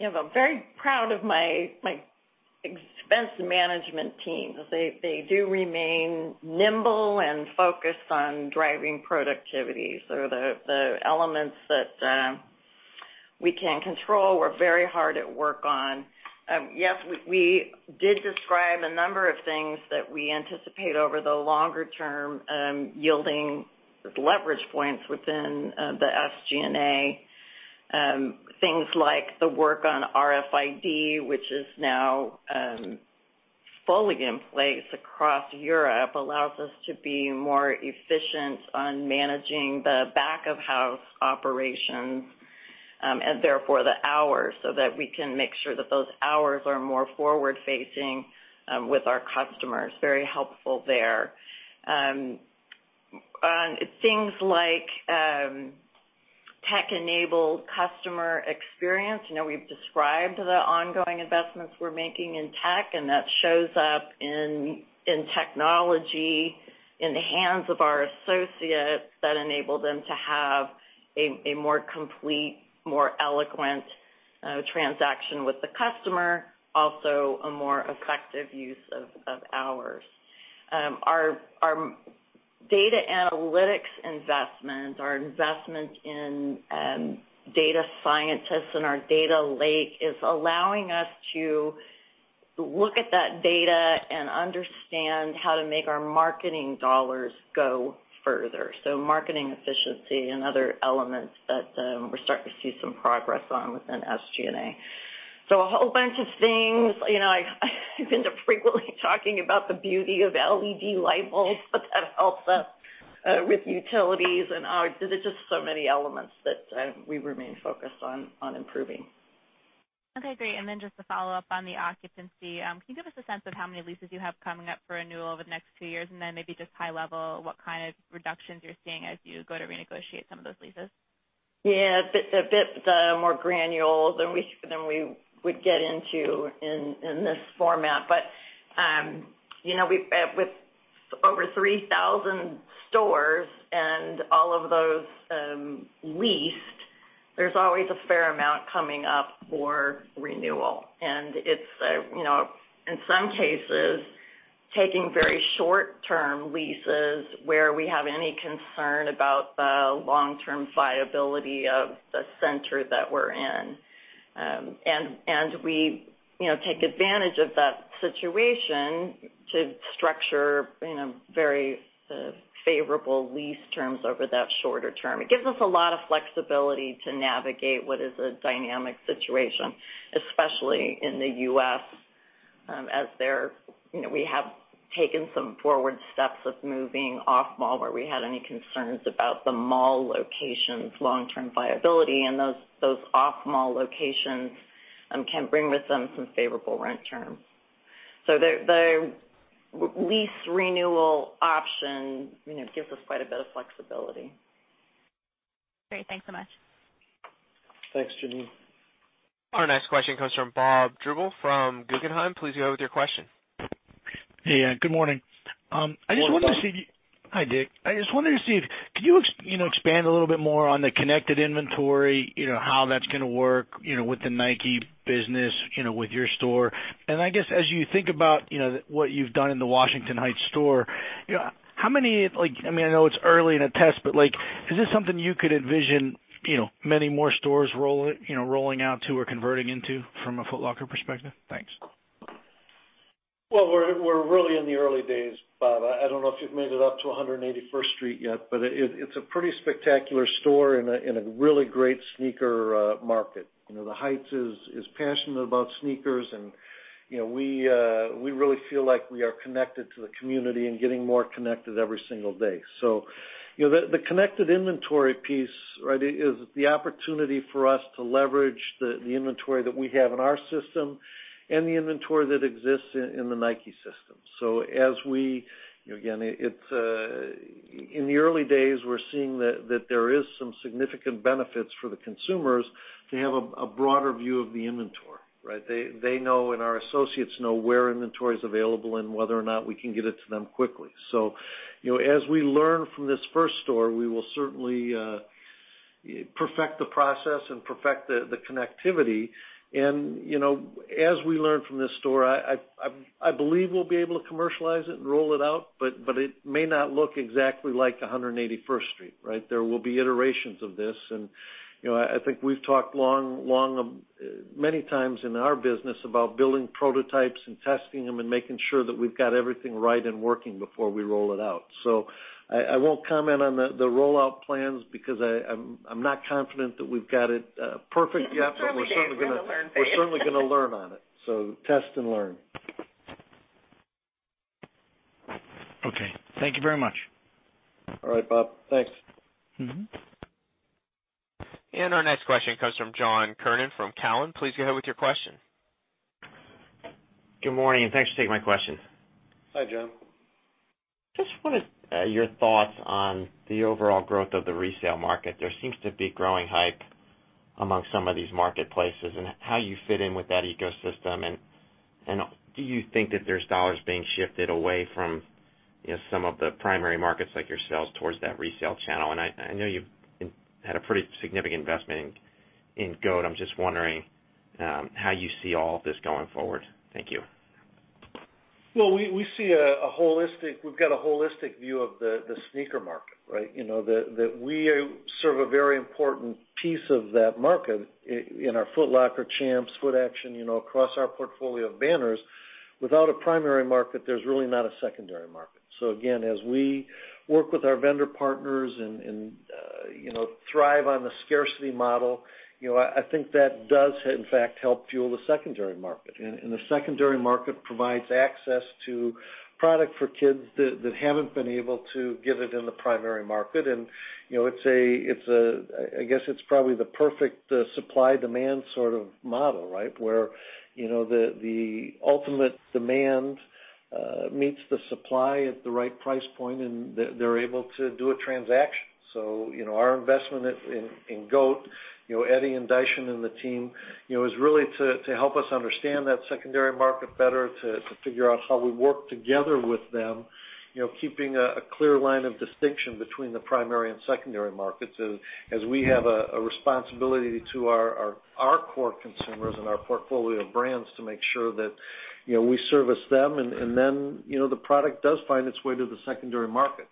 I'm very proud of my expense management team. They do remain nimble and focused on driving productivity. The elements that we can control, we're very hard at work on. Yes, we did describe a number of things that we anticipate over the longer term, yielding leverage points within the SG&A. Things like the work on RFID, which is now fully in place across Europe, allows us to be more efficient on managing the back-of-house operations, and therefore the hours, so that we can make sure that those hours are more forward-facing with our customers. Very helpful there. On things like tech-enabled customer experience, we've described the ongoing investments we're making in tech, and that shows up in technology in the hands of our associates that enable them to have a more complete, more eloquent transaction with the customer. Also, a more effective use of hours. Our data analytics investment, our investment in data scientists and our data lake is allowing us to look at that data and understand how to make our marketing dollars go further. Marketing efficiency and other elements that we're starting to see some progress on within SG&A. A whole bunch of things. I end up frequently talking about the beauty of LED light bulbs, but that helps us with utilities and just so many elements that we remain focused on improving. Okay, great. Just to follow up on the occupancy, can you give us a sense of how many leases you have coming up for renewal over the next two years, and then maybe just high level, what kind of reductions you're seeing as you go to renegotiate some of those leases? A bit more granular than we would get into in this format. With over 3,000 stores and all of those leased, there's always a fair amount coming up for renewal. It's, in some cases, taking very short-term leases where we have any concern about the long-term viability of the center that we're in. We take advantage of that situation to structure very favorable lease terms over that shorter term. It gives us a lot of flexibility to navigate what is a dynamic situation, especially in the U.S., as we have taken some forward steps of moving off-mall where we had any concerns about the mall location's long-term viability, and those off-mall locations can bring with them some favorable rent terms. The lease renewal option gives us quite a bit of flexibility. Great. Thanks so much. Thanks, Janine. Our next question comes from Bob Drbul from Guggenheim. Please go ahead with your question. Hey. Good morning. Good morning, Bob. Hi, Dick. Could you expand a little bit more on the connected inventory, how that's going to work with the Nike business with your store? I guess, as you think about what you've done in the Washington Heights store, I know it's early in a test, but is this something you could envision many more stores rolling out to or converting into from a Foot Locker perspective? Thanks. Well, we're really in the early days, Bob. I don't know if you've made it up to 181st Street yet, it's a pretty spectacular store in a really great sneaker market. The Heights is passionate about sneakers, we really feel like we are connected to the community and getting more connected every single day. The connected inventory piece is the opportunity for us to leverage the inventory that we have in our system and the inventory that exists in the Nike system. In the early days, we're seeing that there is some significant benefits for the consumers to have a broader view of the inventory, right? They know, our associates know where inventory is available and whether or not we can get it to them quickly. As we learn from this first store, we will certainly perfect the process and perfect the connectivity. As we learn from this store, I believe we'll be able to commercialize it and roll it out, but it may not look exactly like 181st Street, right? There will be iterations of this. I think we've talked many times in our business about building prototypes and testing them and making sure that we've got everything right and working before we roll it out. I won't comment on the rollout plans because I'm not confident that we've got it perfect yet. Early days. We're going to learn from it. We're certainly going to learn on it. Test and learn. Okay. Thank you very much. All right, Bob. Thanks. Our next question comes from John Kernan from Cowen. Please go ahead with your question. Good morning. Thanks for taking my question. Hi, John. Just wanted your thoughts on the overall growth of the resale market. There seems to be growing hype among some of these marketplaces, how you fit in with that ecosystem. Do you think that there's $ being shifted away from some of the primary markets like yourselves towards that resale channel? I know you've had a pretty significant investment in GOAT. I'm just wondering how you see all of this going forward. Thank you. Well, we've got a holistic view of the sneaker market, right? We serve a very important piece of that market in our Foot Locker Champs, Footaction, across our portfolio of banners. Without a primary market, there's really not a secondary market. Again, as we work with our vendor partners and thrive on the scarcity model, I think that does, in fact, help fuel the secondary market. The secondary market provides access to product for kids that haven't been able to get it in the primary market. I guess it's probably the perfect supply-demand sort of model, right? Where the ultimate demand meets the supply at the right price point, and they're able to do a transaction. Our investment in GOAT, Eddy and Daishin and the team, is really to help us understand that secondary market better, to figure out how we work together with them, keeping a clear line of distinction between the primary and secondary markets as we have a responsibility to our core consumers and our portfolio of brands to make sure that we service them, and then the product does find its way to the secondary market.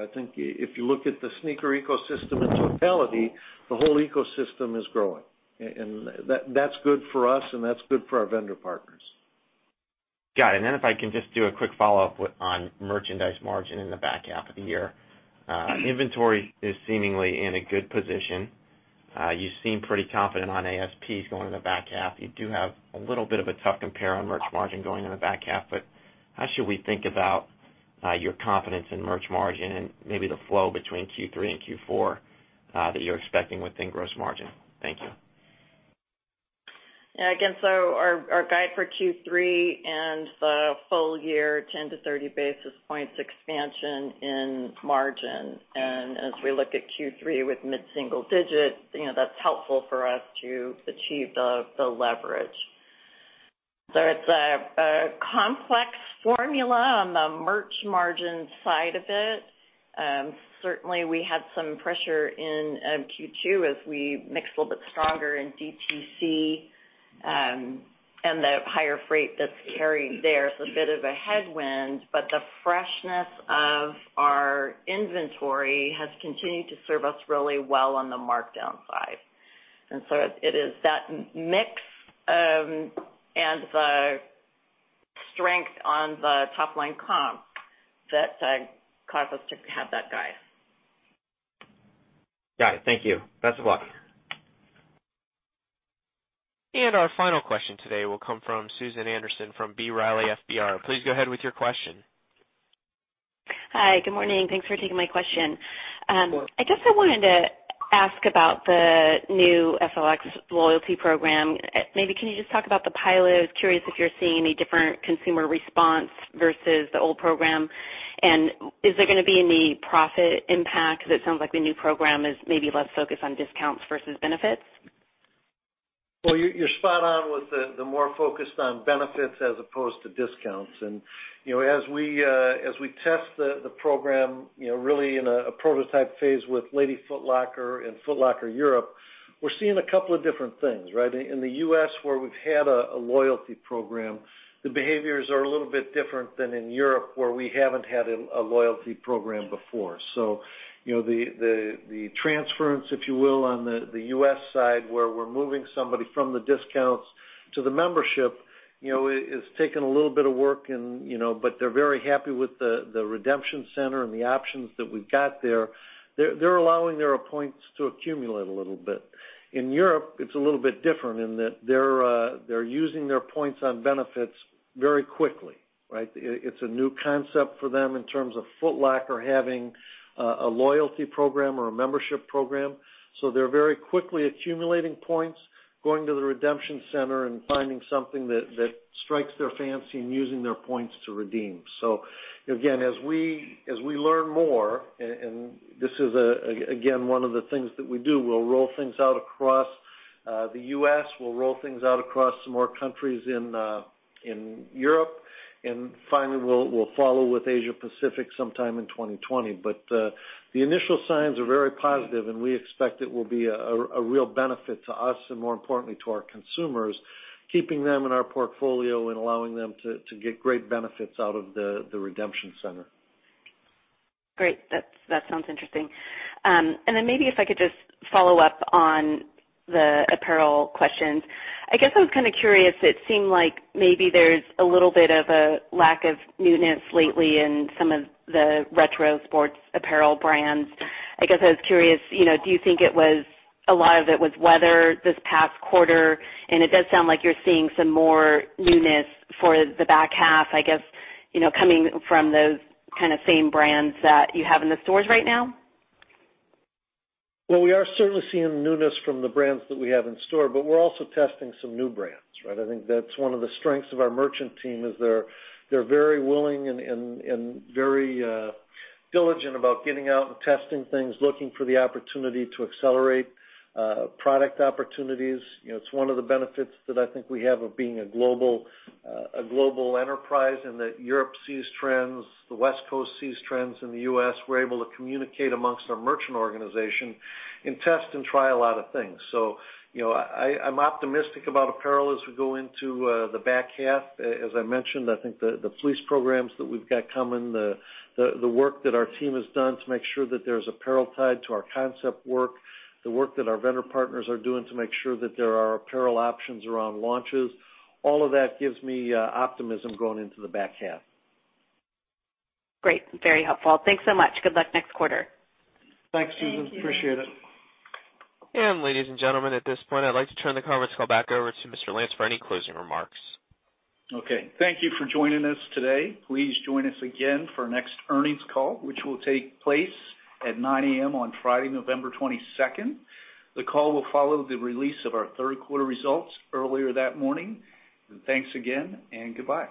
I think if you look at the sneaker ecosystem in totality, the whole ecosystem is growing. That's good for us and that's good for our vendor partners. Got it. Then if I can just do a quick follow-up on merchandise margin in the back half of the year. Inventory is seemingly in a good position. You seem pretty confident on ASPs going in the back half. You do have a little bit of a tough compare on merch margin going in the back half. How should we think about your confidence in merch margin and maybe the flow between Q3 and Q4 that you're expecting within gross margin? Thank you. Yeah. Again, our guide for Q3 and the full year, 10 to 30 basis points expansion in margin. As we look at Q3 with mid-single digits, that's helpful for us to achieve the leverage. It's a complex formula on the merch margin side of it. Certainly, we had some pressure in Q2 as we mixed a little bit stronger in DTC, the higher freight that's carried there is a bit of a headwind. The freshness of our inventory has continued to serve us really well on the markdown side. It is that mix and the strength on the top line comp that caused us to have that guide. Got it. Thank you. Best of luck. Our final question today will come from Susan Anderson from B. Riley FBR. Please go ahead with your question. Hi. Good morning. Thanks for taking my question. Sure. I guess I wanted to ask about the new FLX loyalty program. Maybe can you just talk about the pilot? Curious if you're seeing any different consumer response versus the old program, and is there gonna be any profit impact? Because it sounds like the new program is maybe less focused on discounts versus benefits. Well, you're spot on with the more focused on benefits as opposed to discounts. As we test the program really in a prototype phase with Lady Foot Locker and Foot Locker Europe, we're seeing a couple of different things, right? In the U.S., where we've had a loyalty program, the behaviors are a little bit different than in Europe, where we haven't had a loyalty program before. The transference, if you will, on the U.S. side, where we're moving somebody from the discounts to the membership, it's taken a little bit of work, but they're very happy with the redemption center and the options that we've got there. They're allowing their points to accumulate a little bit. In Europe, it's a little bit different in that they're using their points on benefits very quickly, right? It's a new concept for them in terms of Foot Locker having a loyalty program or a membership program. They're very quickly accumulating points, going to the redemption center and finding something that strikes their fancy and using their points to redeem. Again, as we learn more, and this is, again, one of the things that we do, we'll roll things out across the U.S., we'll roll things out across some more countries in Europe, and finally, we'll follow with Asia Pacific sometime in 2020. The initial signs are very positive, and we expect it will be a real benefit to us, and more importantly to our consumers, keeping them in our portfolio and allowing them to get great benefits out of the redemption center. Great. That sounds interesting. Maybe if I could just follow up on the apparel questions. I guess I was kind of curious, it seemed like maybe there's a little bit of a lack of newness lately in some of the retro sports apparel brands. I guess I was curious, do you think a lot of it was weather this past quarter? It does sound like you're seeing some more newness for the back half, I guess, coming from those kind of same brands that you have in the stores right now. We are certainly seeing newness from the brands that we have in store, but we're also testing some new brands, right? I think that's one of the strengths of our merchant team, is they're very willing and very diligent about getting out and testing things, looking for the opportunity to accelerate product opportunities. It's one of the benefits that I think we have of being a global enterprise in that Europe sees trends, the West Coast sees trends in the U.S. We're able to communicate amongst our merchant organization and test and try a lot of things. I'm optimistic about apparel as we go into the back half. As I mentioned, I think the fleece programs that we've got coming, the work that our team has done to make sure that there's apparel tied to our concept work, the work that our vendor partners are doing to make sure that there are apparel options around launches, all of that gives me optimism going into the back half. Great. Very helpful. Thanks so much. Good luck next quarter. Thanks, Susan. Appreciate it. Ladies and gentlemen, at this point, I'd like to turn the conference call back over to Mr. Lance for any closing remarks. Okay. Thank you for joining us today. Please join us again for our next earnings call, which will take place at 9:00 A.M. on Friday, November 22nd. The call will follow the release of our third quarter results earlier that morning. Thanks again, and goodbye.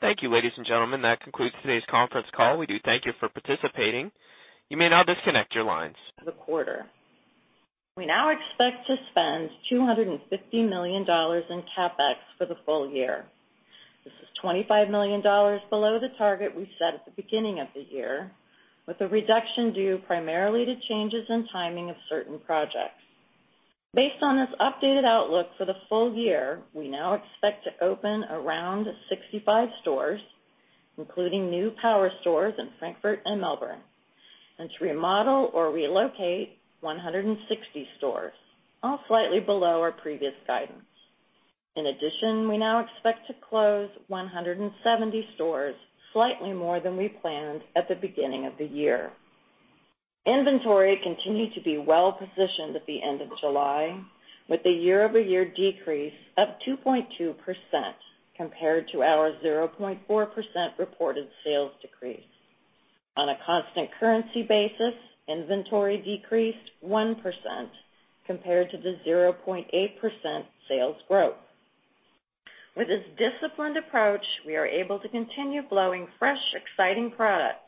Thank you, ladies and gentlemen. That concludes today's conference call. We do thank you for participating. You may now disconnect your lines. The quarter. We now expect to spend $250 million in CapEx for the full year. This is $25 million below the target we set at the beginning of the year, with a reduction due primarily to changes in timing of certain projects. Based on this updated outlook for the full year, we now expect to open around 65 stores, including new power stores in Frankfurt and Melbourne, and to remodel or relocate 160 stores, all slightly below our previous guidance. In addition, we now expect to close 170 stores, slightly more than we planned at the beginning of the year. Inventory continued to be well positioned at the end of July, with a year-over-year decrease of 2.2% compared to our 0.4% reported sales decrease. On a constant currency basis, inventory decreased 1% compared to the 0.8% sales growth. With this disciplined approach, we are able to continue flowing fresh, exciting product,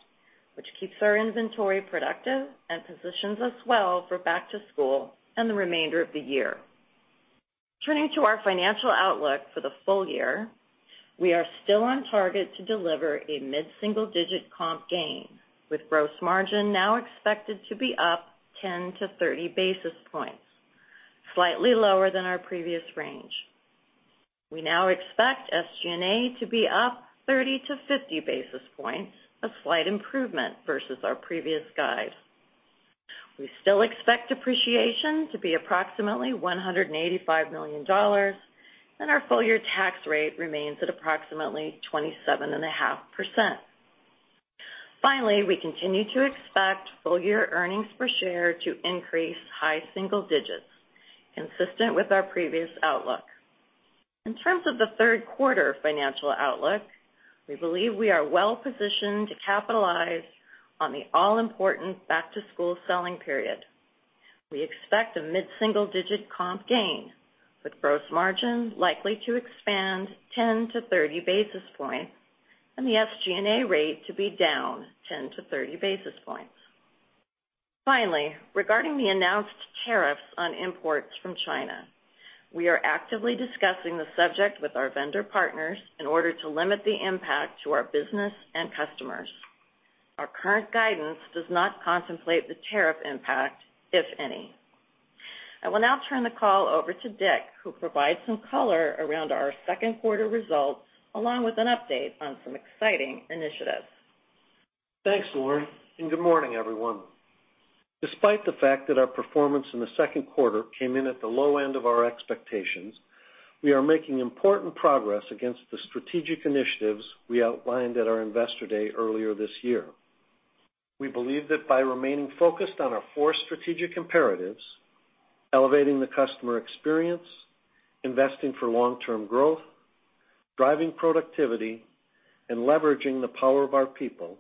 which keeps our inventory productive and positions us well for back to school and the remainder of the year. Turning to our financial outlook for the full year, we are still on target to deliver a mid-single-digit comp gain, with gross margin now expected to be up 10-30 basis points, slightly lower than our previous range. We now expect SG&A to be up 30-50 basis points, a slight improvement versus our previous guide. We still expect depreciation to be approximately $185 million, and our full-year tax rate remains at approximately 27.5%. Finally, we continue to expect full-year earnings per share to increase high single digits, consistent with our previous outlook. In terms of the third quarter financial outlook, we believe we are well positioned to capitalize on the all-important back-to-school selling period. We expect a mid-single-digit comp gain, with gross margin likely to expand 10-30 basis points and the SG&A rate to be down 10-30 basis points. Finally, regarding the announced tariffs on imports from China, we are actively discussing the subject with our vendor partners in order to limit the impact to our business and customers. Our current guidance does not contemplate the tariff impact, if any. I will now turn the call over to Dick, who will provide some color around our second quarter results, along with an update on some exciting initiatives. Thanks, Lauren, and good morning, everyone. Despite the fact that our performance in the second quarter came in at the low end of our expectations, we are making important progress against the strategic initiatives we outlined at our investor day earlier this year. We believe that by remaining focused on our four strategic imperatives, elevating the customer experience, investing for long-term growth, driving productivity, and leveraging the power of our people,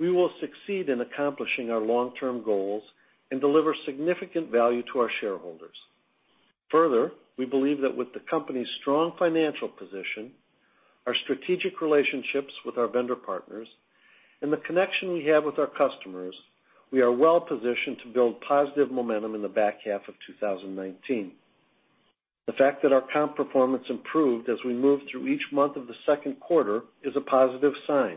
we will succeed in accomplishing our long-term goals and deliver significant value to our shareholders. Further, we believe that with the company's strong financial position, our strategic relationships with our vendor partners, and the connection we have with our customers, we are well-positioned to build positive momentum in the back half of 2019. The fact that our comp performance improved as we moved through each month of the second quarter is a positive sign.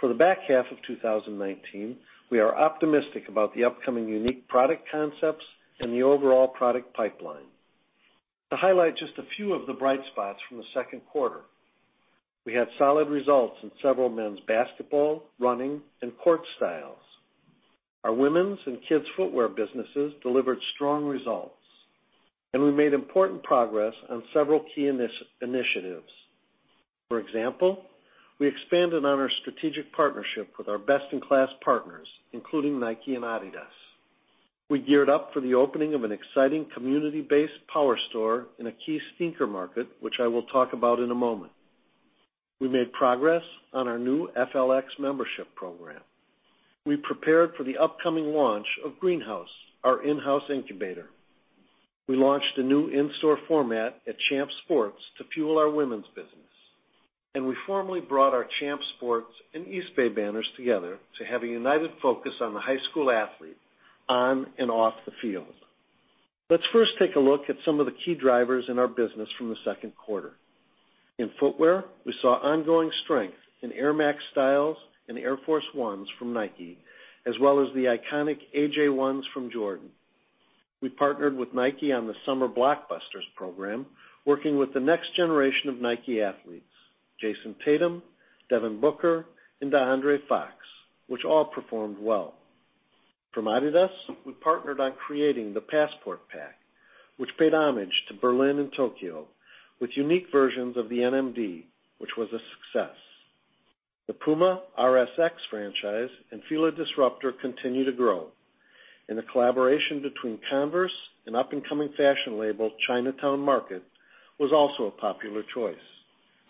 For the back half of 2019, we are optimistic about the upcoming unique product concepts and the overall product pipeline. To highlight just a few of the bright spots from the second quarter, we had solid results in several men's basketball, running, and court styles. Our women's and kids footwear businesses delivered strong results. We made important progress on several key initiatives. For example, we expanded on our strategic partnership with our best-in-class partners, including Nike and Adidas. We geared up for the opening of an exciting community-based power store in a key sneaker market, which I will talk about in a moment. We made progress on our new FLX membership program. We prepared for the upcoming launch of Greenhouse, our in-house incubator. We launched a new in-store format at Champs Sports to fuel our women's business, we formally brought our Champs Sports and Eastbay banners together to have a united focus on the high school athlete on and off the field. Let's first take a look at some of the key drivers in our business from the second quarter. In footwear, we saw ongoing strength in Air Max styles and Air Force 1s from Nike, as well as the iconic AJ1s from Jordan. We partnered with Nike on the Summer Blockbusters program, working with the next generation of Nike athletes, Jayson Tatum, Devin Booker, and De'Aaron Fox, which all performed well. From adidas, we partnered on creating the Passport Pack, which paid homage to Berlin and Tokyo with unique versions of the NMD, which was a success. The Puma RS-X franchise and Fila Disruptor continue to grow, the collaboration between Converse and up-and-coming fashion label, Chinatown Market, was also a popular choice.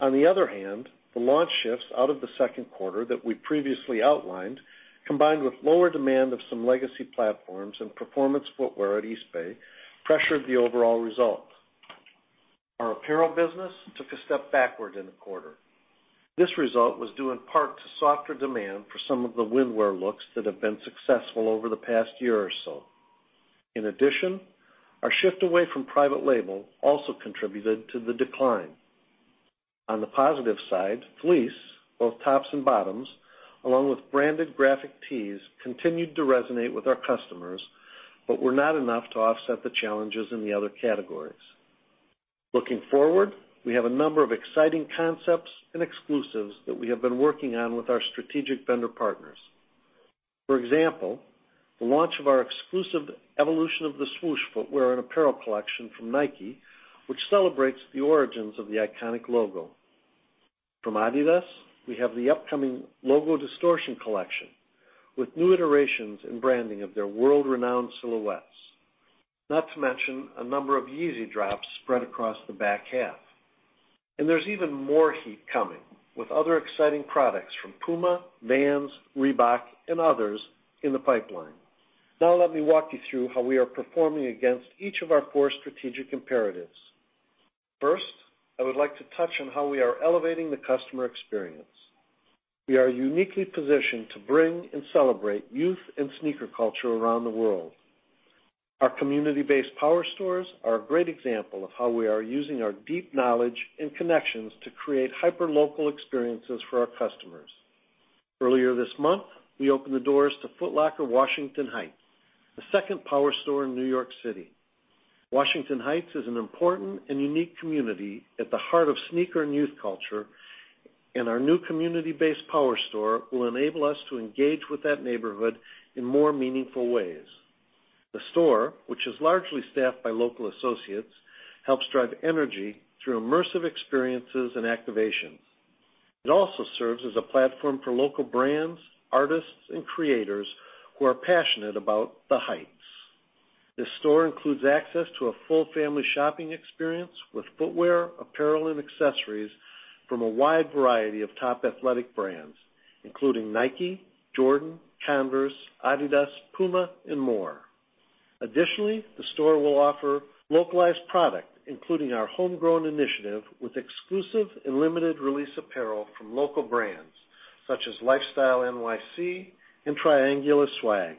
On the other hand, the launch shifts out of the second quarter that we previously outlined, combined with lower demand of some legacy platforms and performance footwear at Eastbay, pressured the overall result. Our apparel business took a step backward in the quarter. This result was due in part to softer demand for some of the windwear looks that have been successful over the past year or so. In addition, our shift away from private label also contributed to the decline. On the positive side, fleece, both tops and bottoms, along with branded graphic tees, continued to resonate with our customers, but were not enough to offset the challenges in the other categories. Looking forward, we have a number of exciting concepts and exclusives that we have been working on with our strategic vendor partners. For example, the launch of our exclusive Evolution of the Swoosh footwear and apparel collection from Nike, which celebrates the origins of the iconic logo. From adidas, we have the upcoming Logo Distortion collection with new iterations in branding of their world-renowned silhouettes. Not to mention, a number of Yeezy drops spread across the back half. There's even more heat coming with other exciting products from Puma, Vans, Reebok, and others in the pipeline. Now let me walk you through how we are performing against each of our core strategic imperatives. First, I would like to touch on how we are elevating the customer experience. We are uniquely positioned to bring and celebrate youth and sneaker culture around the world. Our community-based power stores are a great example of how we are using our deep knowledge and connections to create hyper local experiences for our customers. Earlier this month, we opened the doors to Foot Locker Washington Heights, the second power store in New York City. Washington Heights is an important and unique community at the heart of sneaker and youth culture, and our new community-based power store will enable us to engage with that neighborhood in more meaningful ways. The store, which is largely staffed by local associates, helps drive energy through immersive experiences and activation. It also serves as a platform for local brands, artists, and creators who are passionate about the Heights. This store includes access to a full family shopping experience with footwear, apparel, and accessories from a wide variety of top athletic brands, including Nike, Jordan, Converse, adidas, Puma, and more. Additionally, the store will offer localized product, including our homegrown initiative with exclusive and limited release apparel from local brands such as LifestyleNYC and Triangular Swag,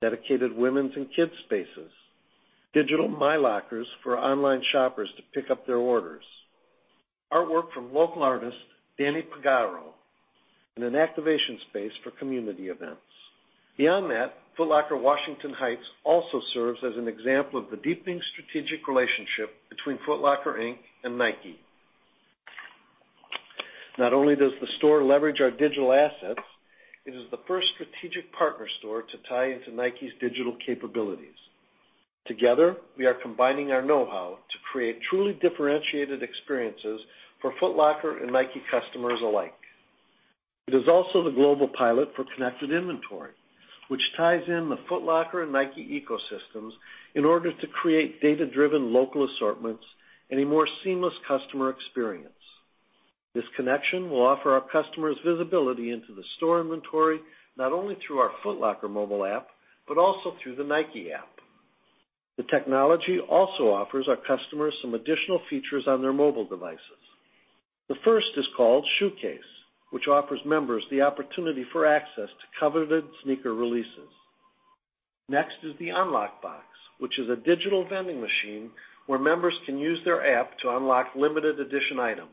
dedicated women's and kids' spaces, digital myLockers for online shoppers to pick up their orders, artwork from local artist, Danny Pellegrino, and an activation space for community events. Beyond that, Foot Locker Washington Heights also serves as an example of the deepening strategic relationship between Foot Locker, Inc. and Nike. Not only does the store leverage our digital assets, it is the first strategic partner store to tie into Nike's digital capabilities. Together, we are combining our know-how to create truly differentiated experiences for Foot Locker and Nike customers alike. It is also the global pilot for connected inventory, which ties in the Foot Locker and Nike ecosystems in order to create data-driven local assortments and a more seamless customer experience. This connection will offer our customers visibility into the store inventory, not only through our Foot Locker mobile app, but also through the Nike app. The technology also offers our customers some additional features on their mobile devices. The first is called ShoeCase, which offers members the opportunity for access to coveted sneaker releases. Next is the Unlock Box, which is a digital vending machine where members can use their app to unlock limited edition items.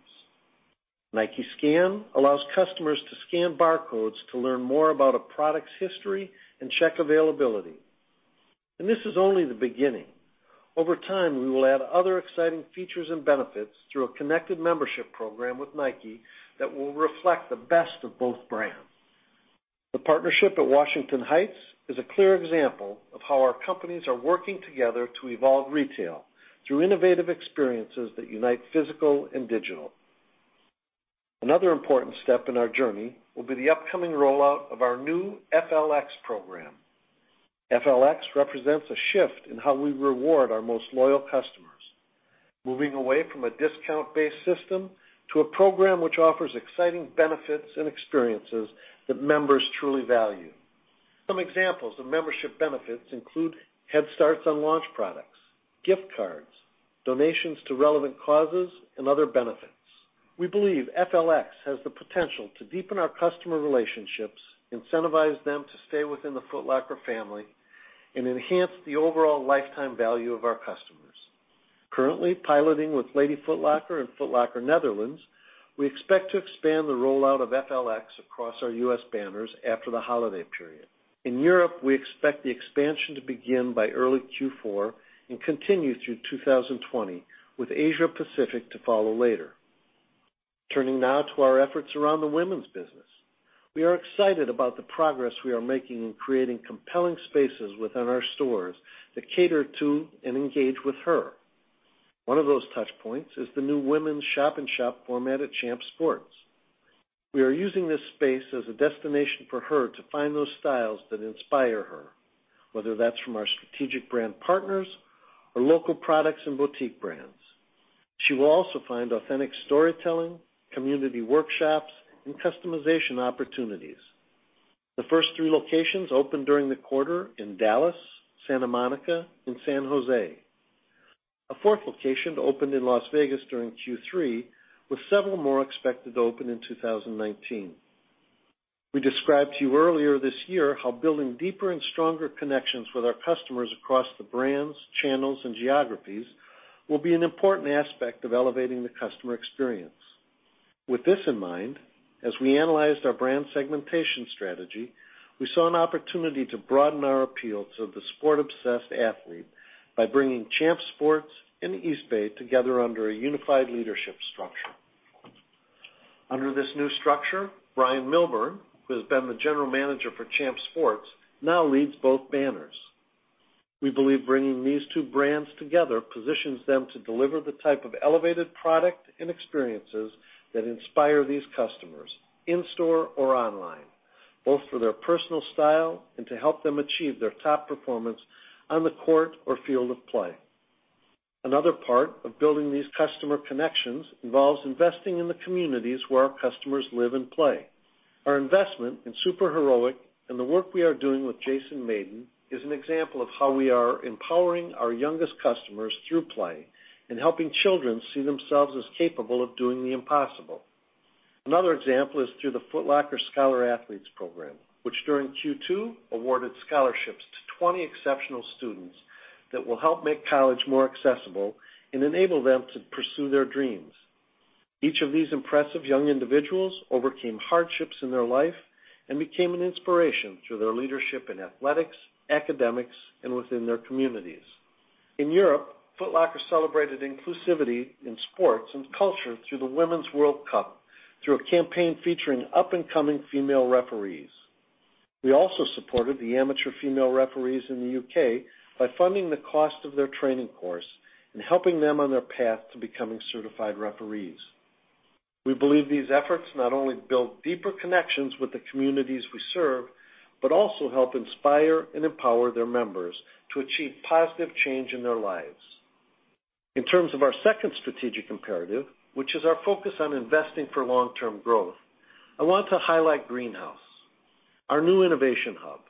Nike Fit allows customers to scan barcodes to learn more about a product's history and check availability. This is only the beginning. Over time, we will add other exciting features and benefits through a connected membership program with Nike that will reflect the best of both brands. The partnership at Washington Heights is a clear example of how our companies are working together to evolve retail through innovative experiences that unite physical and digital. Another important step in our journey will be the upcoming rollout of our new FLX program. FLX represents a shift in how we reward our most loyal customers. Moving away from a discount-based system to a program which offers exciting benefits and experiences that members truly value. Some examples of membership benefits include head starts on launch products, gift cards, donations to relevant causes, and other benefits. We believe FLX has the potential to deepen our customer relationships, incentivize them to stay within the Foot Locker family, and enhance the overall lifetime value of our customers. Currently piloting with Lady Foot Locker and Foot Locker Netherlands, we expect to expand the rollout of FLX across our U.S. banners after the holiday period. In Europe, we expect the expansion to begin by early Q4 and continue through 2020, with Asia Pacific to follow later. Turning now to our efforts around the women's business. We are excited about the progress we are making in creating compelling spaces within our stores that cater to and engage with her. One of those touchpoints is the new women's shop-in-shop format at Champs Sports. We are using this space as a destination for her to find those styles that inspire her, whether that's from our strategic brand partners or local products and boutique brands. She will also find authentic storytelling, community workshops, and customization opportunities. The first three locations opened during the quarter in Dallas, Santa Monica, and San Jose. A fourth location opened in Las Vegas during Q3, with several more expected to open in 2019. We described to you earlier this year how building deeper and stronger connections with our customers across the brands, channels, and geographies will be an important aspect of elevating the customer experience. With this in mind, as we analyzed our brand segmentation strategy, we saw an opportunity to broaden our appeal to the sport-obsessed athlete by bringing Champs Sports and Eastbay together under a unified leadership structure. Under this new structure, Bryon Milburn, who has been the general manager for Champs Sports, now leads both banners. We believe bringing these two brands together positions them to deliver the type of elevated product and experiences that inspire these customers in-store or online, both for their personal style and to help them achieve their top performance on the court or field of play. Another part of building these customer connections involves investing in the communities where our customers live and play. Our investment in SuperHeroic and the work we are doing with Jason Mayden is an example of how we are empowering our youngest customers through play and helping children see themselves as capable of doing the impossible. Another example is through the Foot Locker Scholar Athletes program, which during Q2 awarded scholarships to 20 exceptional students that will help make college more accessible and enable them to pursue their dreams. Each of these impressive young individuals overcame hardships in their life and became an inspiration through their leadership in athletics, academics, and within their communities. In Europe, Foot Locker celebrated inclusivity in sports and culture through the Women's World Cup through a campaign featuring up-and-coming female referees. We also supported the amateur female referees in the U.K. by funding the cost of their training course and helping them on their path to becoming certified referees. We believe these efforts not only build deeper connections with the communities we serve but also help inspire and empower their members to achieve positive change in their lives. In terms of our second strategic imperative, which is our focus on investing for long-term growth, I want to highlight Greenhouse, our new innovation hub.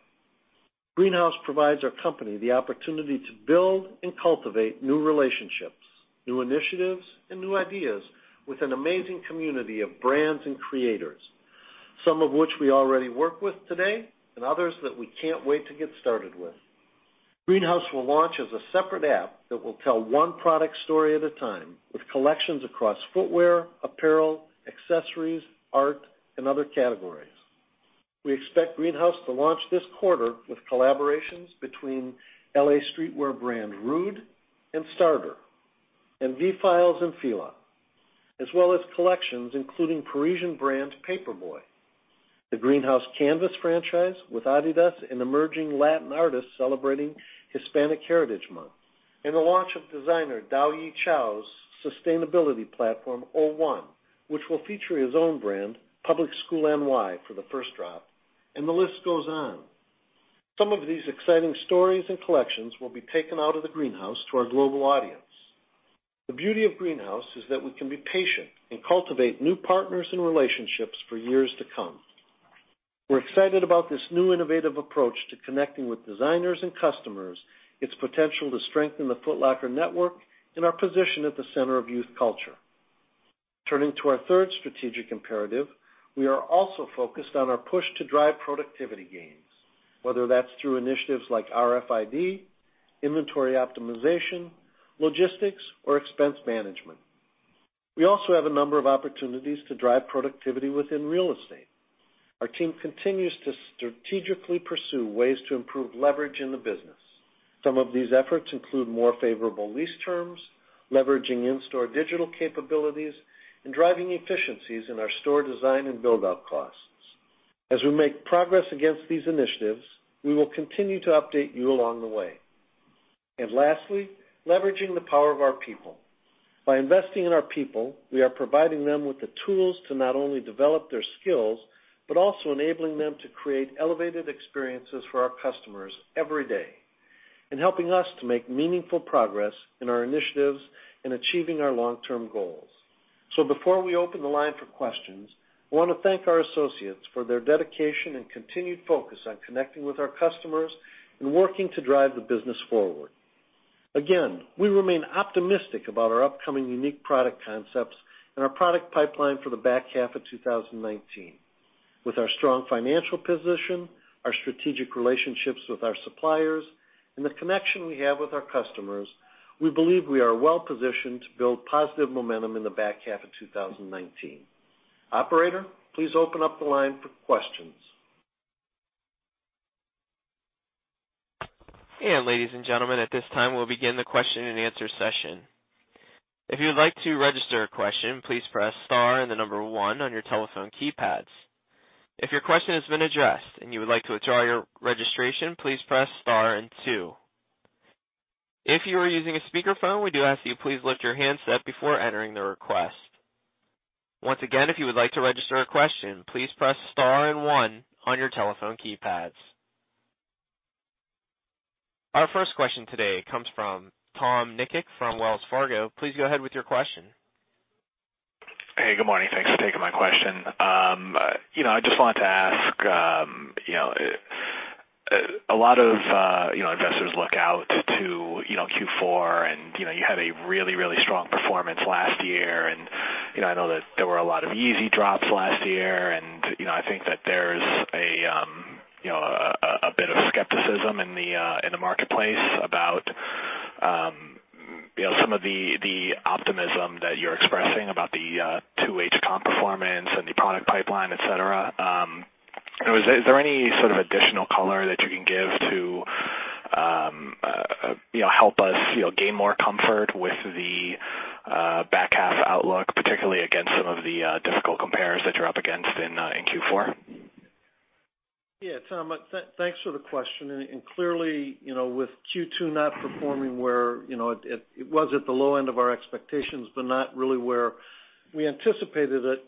Greenhouse provides our company the opportunity to build and cultivate new relationships, new initiatives, and new ideas with an amazing community of brands and creators, some of which we already work with today and others that we can't wait to get started with. Greenhouse will launch as a separate app that will tell one product story at a time with collections across footwear, apparel, accessories, art, and other categories. We expect Greenhouse to launch this quarter with collaborations between L.A. streetwear brand Rhude and Starter, VFiles and Fila, as well as collections including Parisian brand Paperboy, the Greenhouse Canvas franchise with Adidas and emerging Latin artists celebrating Hispanic Heritage Month, and the launch of designer Dao-Yi Chow's sustainability platform, O-1, which will feature his own brand, Public School NY, for the first drop. The list goes on. Some of these exciting stories and collections will be taken out of the Greenhouse to our global audience. The beauty of Greenhouse is that we can be patient and cultivate new partners and relationships for years to come. We're excited about this new innovative approach to connecting with designers and customers, its potential to strengthen the Foot Locker network, and our position at the center of youth culture. Turning to our third strategic imperative, we are also focused on our push to drive productivity gains, whether that's through initiatives like RFID, inventory optimization, logistics, or expense management. We also have a number of opportunities to drive productivity within real estate. Our team continues to strategically pursue ways to improve leverage in the business. Some of these efforts include more favorable lease terms, leveraging in-store digital capabilities, and driving efficiencies in our store design and build-out costs. As we make progress against these initiatives, we will continue to update you along the way. Lastly, leveraging the power of our people. By investing in our people, we are providing them with the tools to not only develop their skills but also enabling them to create elevated experiences for our customers every day, and helping us to make meaningful progress in our initiatives and achieving our long-term goals. Before we open the line for questions, I want to thank our associates for their dedication and continued focus on connecting with our customers and working to drive the business forward. We remain optimistic about our upcoming unique product concepts and our product pipeline for the back half of 2019. With our strong financial position, our strategic relationships with our suppliers, and the connection we have with our customers, we believe we are well positioned to build positive momentum in the back half of 2019. Operator, please open up the line for questions. Ladies and gentlemen, at this time we'll begin the question and answer session. If you would like to register a question, please press star and one on your telephone keypads. If your question has been addressed and you would like to withdraw your registration, please press star and two. If you are using a speakerphone, we do ask you please lift your handset before entering the request. Once again, if you would like to register a question, please press star and one on your telephone keypads. Our first question today comes from Tom Nikic from Wells Fargo. Please go ahead with your question. Hey, good morning. Thanks for taking my question. I just wanted to ask, a lot of investors look out to Q4 and you had a really strong performance last year, and I know that there were a lot of Yeezy drops last year. I think that there's a bit of skepticism in the marketplace about some of the optimism that you're expressing about the 2H comp performance and the product pipeline, et cetera. Is there any sort of additional color that you can give to help us gain more comfort with the back half outlook, particularly against some of the difficult compares that you're up against in Q4? Yeah, Tom, thanks for the question. Clearly, with Q2 not performing, it was at the low end of our expectations, but not really where we anticipated it.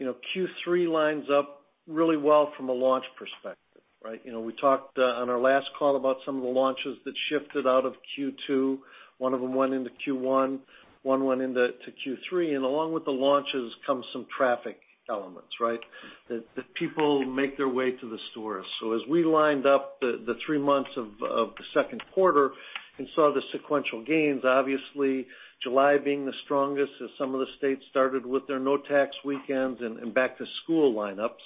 Q3 lines up really well from a launch perspective, right? We talked on our last call about some of the launches that shifted out of Q2. One of them went into Q1, one went into Q3. Along with the launches come some traffic elements, right? That people make their way to the stores. As we lined up the three months of the second quarter and saw the sequential gains, obviously July being the strongest as some of the states started with their no-tax weekends and back-to-school lineups.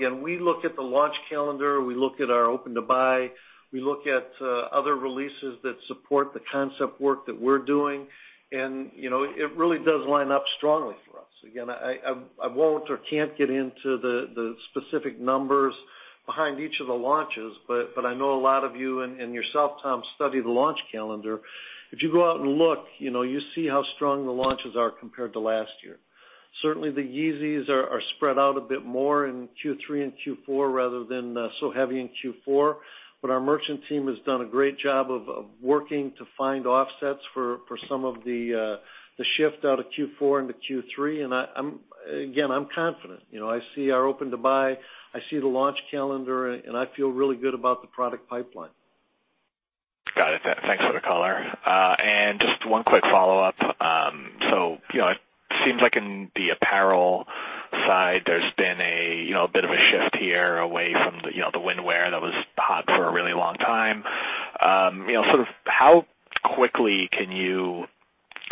Again, we look at the launch calendar, we look at our open-to-buy, we look at other releases that support the concept work that we're doing, and it really does line up strongly for us. Again, I won't or can't get into the specific numbers behind each of the launches, but I know a lot of you and yourself, Tom, study the launch calendar. If you go out and look, you see how strong the launches are compared to last year. Certainly, the Yeezy are spread out a bit more in Q3 and Q4 rather than so heavy in Q4. Our merchant team has done a great job of working to find offsets for some of the shift out of Q4 into Q3. Again, I'm confident. I see our open-to-buy, I see the launch calendar, and I feel really good about the product pipeline. Got it. Thanks for the color. Just one quick follow-up. It seems like in the apparel side, there's been a bit of a shift here away from the windwear that was hot for a really long time. How quickly can you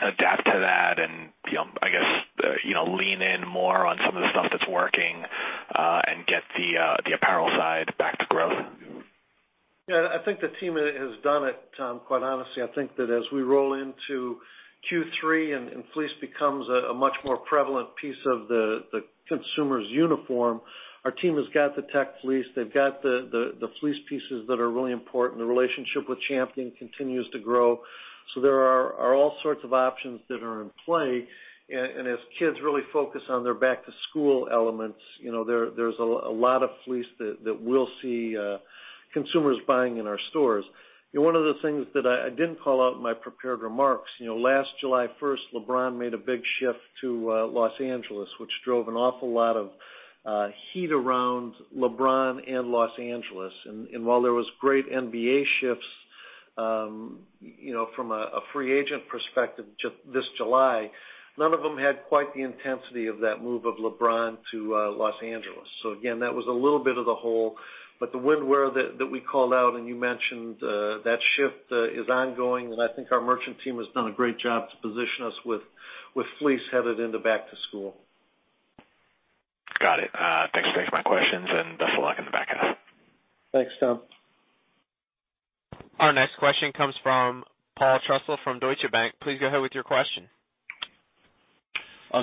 adapt to that and, I guess, lean in more on some of the stuff that's working, and get the apparel side back to growth? Yeah. I think the team has done it, Tom. Quite honestly, I think that as we roll into Q3 and fleece becomes a much more prevalent piece of the consumer's uniform. Our team has got the Tech Fleece. They've got the fleece pieces that are really important. The relationship with Champion continues to grow. There are all sorts of options that are in play. As kids really focus on their back-to-school elements, there's a lot of fleece that we'll see consumers buying in our stores. One of the things that I didn't call out in my prepared remarks. Last July 1st, LeBron made a big shift to Los Angeles, which drove an awful lot of heat around LeBron and Los Angeles. While there was great NBA shifts, from a free agent perspective this July, none of them had quite the intensity of that move of LeBron to Los Angeles. Again, that was a little bit of the hole. The windwear that we called out and you mentioned, that shift is ongoing. I think our merchant team has done a great job to position us with fleece headed into back to school. Got it. Thanks for taking my questions, and best of luck in the back half. Thanks, Tom. Our next question comes from Paul Trussell from Deutsche Bank. Please go ahead with your question.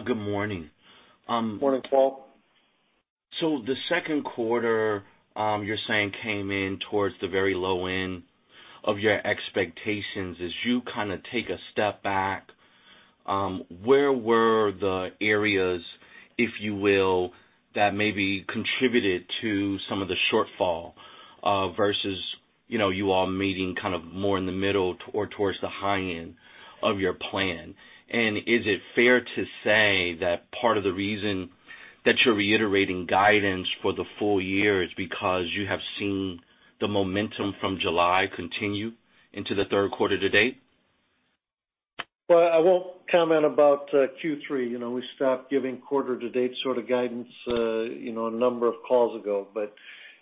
Good morning. Morning, Paul. The second quarter, you're saying came in towards the very low end of your expectations. As you take a step back, where were the areas, if you will, that maybe contributed to some of the shortfall, versus you all meeting more in the middle or towards the high end of your plan? Is it fair to say that part of the reason that you're reiterating guidance for the full year is because you have seen the momentum from July continue into the third quarter to date? Well, I won't comment about Q3. We stopped giving quarter to date sort of guidance a number of calls ago.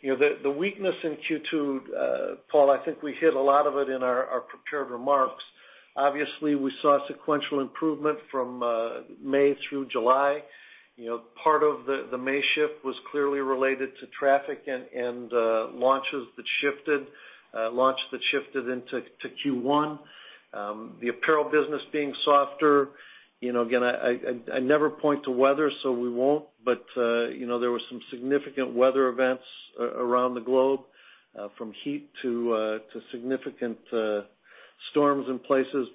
The weakness in Q2, Paul, I think we hit a lot of it in our prepared remarks. Obviously, we saw sequential improvement from May through July. Part of the May shift was clearly related to traffic and launches that shifted into Q1. The apparel business being softer. Again, I never point to weather, so we won't, there were some significant weather events around the globe, from heat to significant storms in places.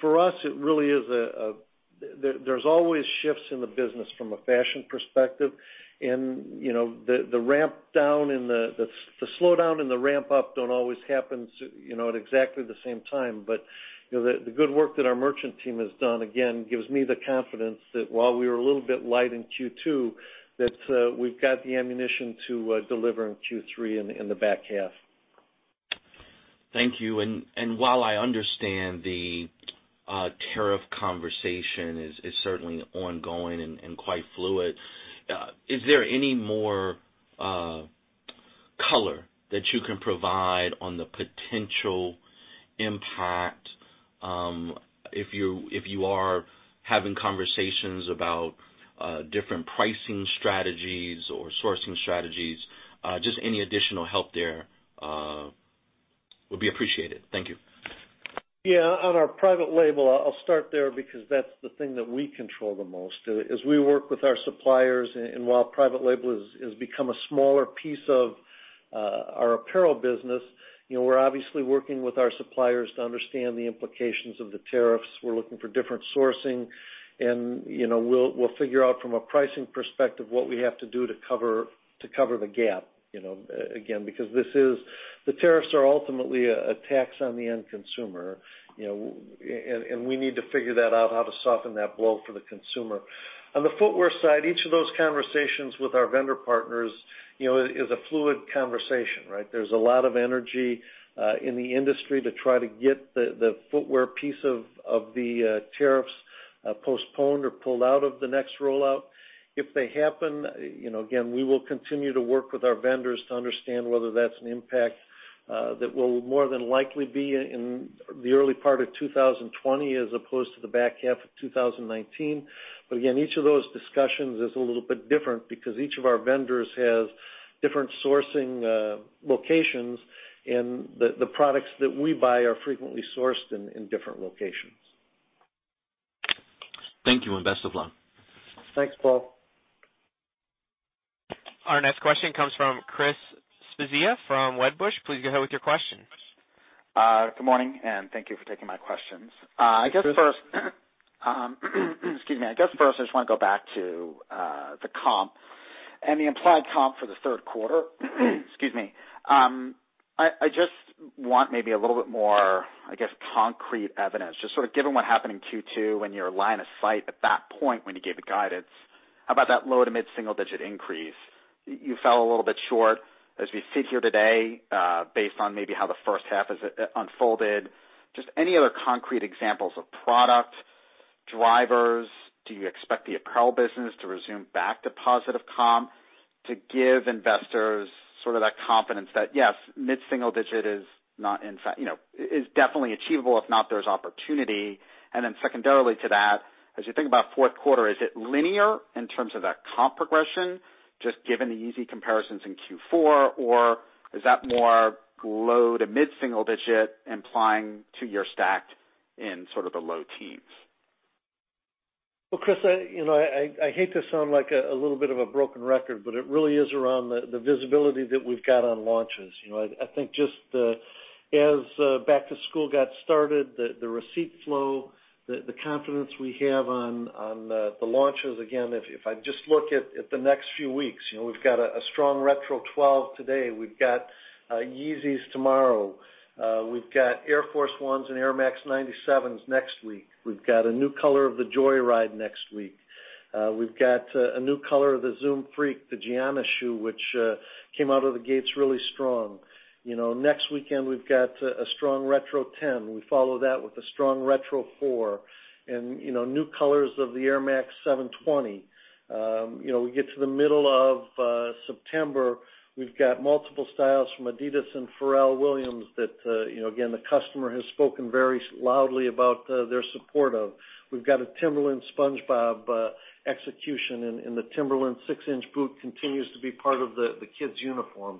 For us, there's always shifts in the business from a fashion perspective. The slowdown and the ramp up don't always happen at exactly the same time. The good work that our merchant team has done, again, gives me the confidence that while we were a little bit light in Q2, that we've got the ammunition to deliver in Q3 and the back half. Thank you. While I understand the tariff conversation is certainly ongoing and quite fluid, is there any more color that you can provide on the potential impact? If you are having conversations about different pricing strategies or sourcing strategies, just any additional help there would be appreciated. Thank you. Yeah. On our private label, I'll start there because that's the thing that we control the most. As we work with our suppliers and while private label has become a smaller piece of our apparel business, we're obviously working with our suppliers to understand the implications of the tariffs. We're looking for different sourcing, and we'll figure out from a pricing perspective what we have to do to cover the gap. Again, because the tariffs are ultimately a tax on the end consumer, and we need to figure that out, how to soften that blow for the consumer. On the footwear side, each of those conversations with our vendor partners is a fluid conversation, right? There's a lot of energy in the industry to try to get the footwear piece of the tariffs postponed or pulled out of the next rollout. If they happen, again, we will continue to work with our vendors to understand whether that's an impact that will more than likely be in the early part of 2020 as opposed to the back half of 2019. Again, each of those discussions is a little bit different because each of our vendors has different sourcing locations, and the products that we buy are frequently sourced in different locations. Thank you, and best of luck. Thanks, Paul. Our next question comes from Christopher Svezia from Wedbush. Please go ahead with your question. Good morning, and thank you for taking my questions. Chris. Excuse me. I guess first I just want to go back to the comp and the implied comp for the third quarter. Excuse me. I just want maybe a little bit more, I guess, concrete evidence, just sort of given what happened in Q2 and your line of sight at that point when you gave the guidance about that low to mid single digit increase. You fell a little bit short as we sit here today based on maybe how the first half has unfolded. Just any other concrete examples of product drivers. Do you expect the apparel business to resume back to positive comp to give investors sort of that confidence that, yes, mid-single digit is definitely achievable, if not, there's opportunity. Secondarily to that, as you think about fourth quarter, is it linear in terms of that comp progression, just given the easy comparisons in Q4? Is that more low to mid-single digit implying to your stacked in sort of the low teens? Well, Chris, I hate to sound like a little bit of a broken record. It really is around the visibility that we've got on launches. I think just as back to school got started, the receipt flow, the confidence we have on the launches, again, if I just look at the next few weeks, we've got a strong Retro 12 today. We've got Yeezys tomorrow. We've got Air Force 1s and Air Max 97s next week. We've got a new color of the Joyride next week. We've got a new color of the Zoom Freak, the Giannis shoe, which came out of the gates really strong. Next weekend we've got a strong Retro 10. We follow that with a strong Retro 4 and new colors of the Air Max 720. We get to the middle of September, we've got multiple styles from Adidas and Pharrell Williams that, again, the customer has spoken very loudly about their support of. We've got a Timberland SpongeBob execution, and the Timberland six-inch boot continues to be part of the kids uniform.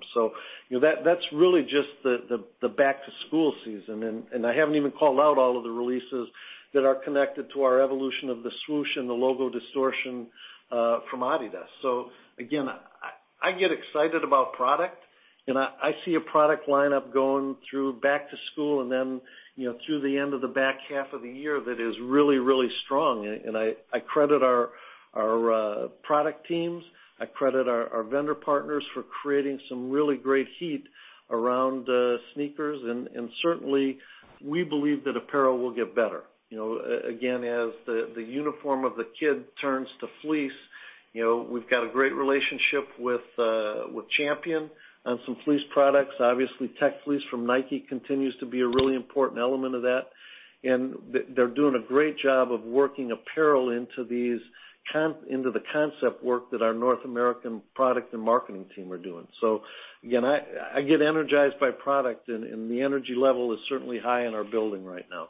That's really just the back-to-school season. I haven't even called out all of the releases that are connected to our Evolution of the Swoosh and the Logo Distortion from Adidas. Again, I get excited about product, and I see a product lineup going through back to school and then through the end of the back half of the year, that is really strong. I credit our product teams, I credit our vendor partners for creating some really great heat around sneakers. Certainly, we believe that apparel will get better. As the uniform of the kid turns to fleece. We've got a great relationship with Champion on some fleece products. Obviously, Tech Fleece from Nike continues to be a really important element of that. They're doing a great job of working apparel into the concept work that our North American product and marketing team are doing. I get energized by product, and the energy level is certainly high in our building right now.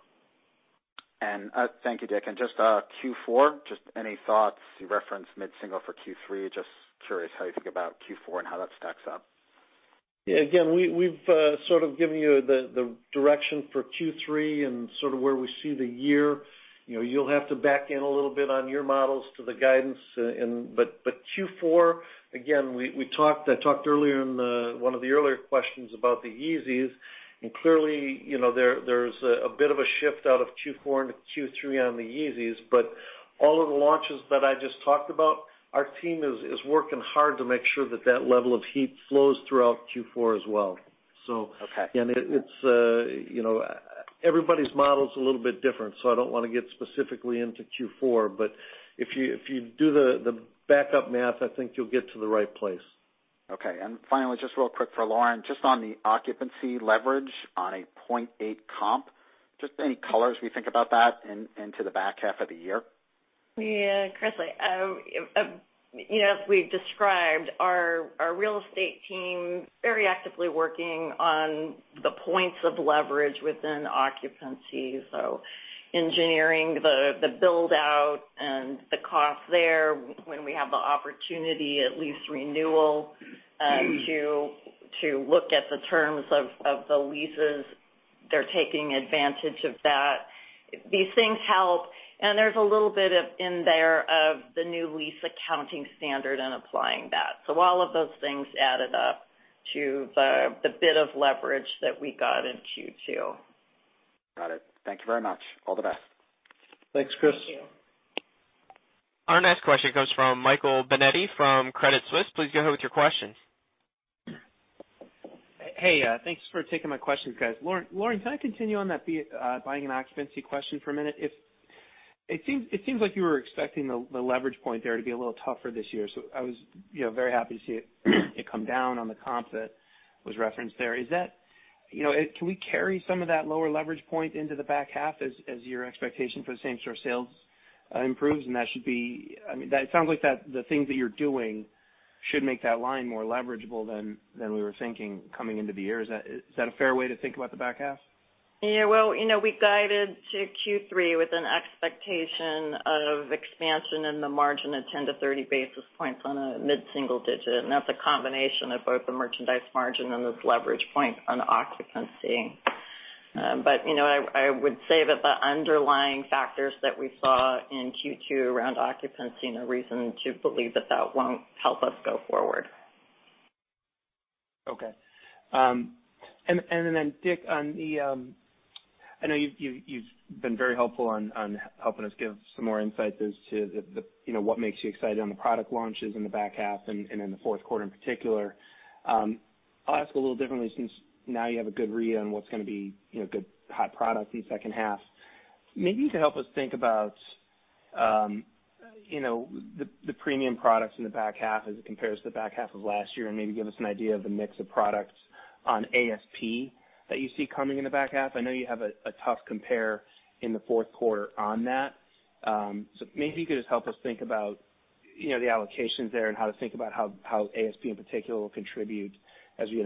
Thank you, Dick. Just Q4, just any thoughts? You referenced mid-single for Q3. Just curious how you think about Q4 and how that stacks up. Yeah, again, we've sort of given you the direction for Q3 and sort of where we see the year. You'll have to back in a little bit on your models to the guidance. Q4, again, I talked earlier in one of the earlier questions about the Yeezys, and clearly, there's a bit of a shift out of Q4 into Q3 on the Yeezys. All of the launches that I just talked about, our team is working hard to make sure that that level of heat flows throughout Q4 as well. Okay. Everybody's model is a little bit different, so I don't want to get specifically into Q4, but if you do the backup math, I think you'll get to the right place. Okay. Finally, just real quick for Lauren, just on the occupancy leverage on a 0.8 comp, just any colors we think about that into the back half of the year? Yeah, Chris. As we've described, our real estate team very actively working on the points of leverage within occupancy. Engineering the build-out and the cost there when we have the opportunity at lease renewal to look at the terms of the leases. They're taking advantage of that. These things help, and there's a little bit in there of the new lease accounting standard and applying that. All of those things added up to the bit of leverage that we got in Q2. Got it. Thank you very much. All the best. Thanks, Chris. Thank you. Our next question comes from Michael Binetti from Credit Suisse. Please go ahead with your question. Hey, thanks for taking my questions, guys. Lauren, can I continue on that buying and occupancy question for a minute? It seems like you were expecting the leverage point there to be a little tougher this year. I was very happy to see it come down on the comp that was referenced there. Can we carry some of that lower leverage point into the back half as your expectation for the same store sales improves? It sounds like the things that you're doing should make that line more leverageable than we were thinking coming into the year. Is that a fair way to think about the back half? Well, we guided to Q3 with an expectation of expansion in the margin of 10-30 basis points on a mid-single digit, and that's a combination of both the merchandise margin and this leverage point on occupancy. I would say that the underlying factors that we saw in Q2 around occupancy are reason to believe that that won't help us go forward. Okay. Dick, I know you've been very helpful on helping us give some more insight as to what makes you excited on the product launches in the back half and in the fourth quarter in particular. I'll ask a little differently since now you have a good read on what's going to be good hot products in the second half. Maybe you could help us think about the premium products in the back half as it compares to the back half of last year, and maybe give us an idea of the mix of products on ASP that you see coming in the back half. I know you have a tough compare in the fourth quarter on that. Maybe you could just help us think about the allocations there and how to think about how ASP in particular will contribute as we get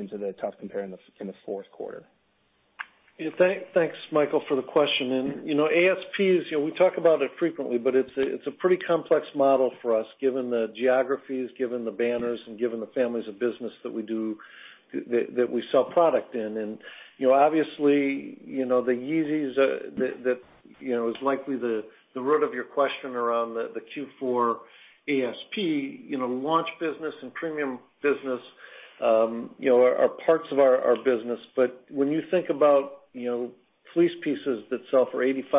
into the tough compare in the fourth quarter. Thanks, Michael, for the question. ASP, we talk about it frequently, but it's a pretty complex model for us given the geographies, given the banners and given the families of business that we sell product in. Obviously, the Yeezy that is likely the root of your question around the Q4 ASP. Launch business and premium business are parts of our business. When you think about fleece pieces that sell for $85,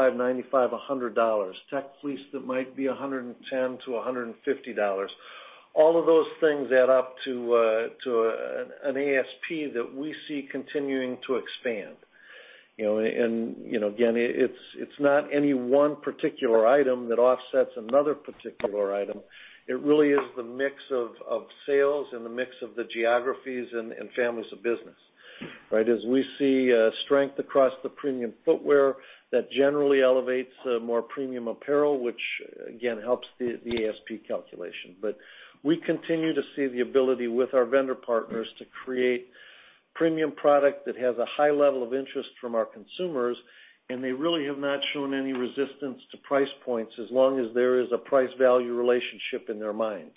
$95, $100, Tech Fleece that might be $110 to $150. All of those things add up to an ASP that we see continuing to expand. Again, it's not any one particular item that offsets another particular item. It really is the mix of sales and the mix of the geographies and families of business. Right? As we see strength across the premium footwear, that generally elevates more premium apparel, which again, helps the ASP calculation. We continue to see the ability with our vendor partners to create premium product that has a high level of interest from our consumers, and they really have not shown any resistance to price points as long as there is a price value relationship in their minds.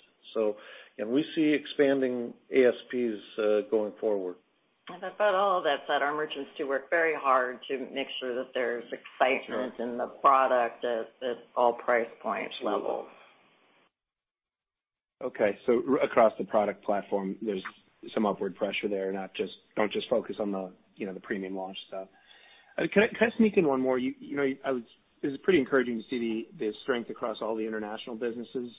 We see expanding ASPs going forward. About all of that, our merchants do work very hard to make sure that there's excitement in the product at all price point levels. Okay. Across the product platform, there's some upward pressure there. Don't just focus on the premium launch stuff. Can I sneak in one more? It was pretty encouraging to see the strength across all the international businesses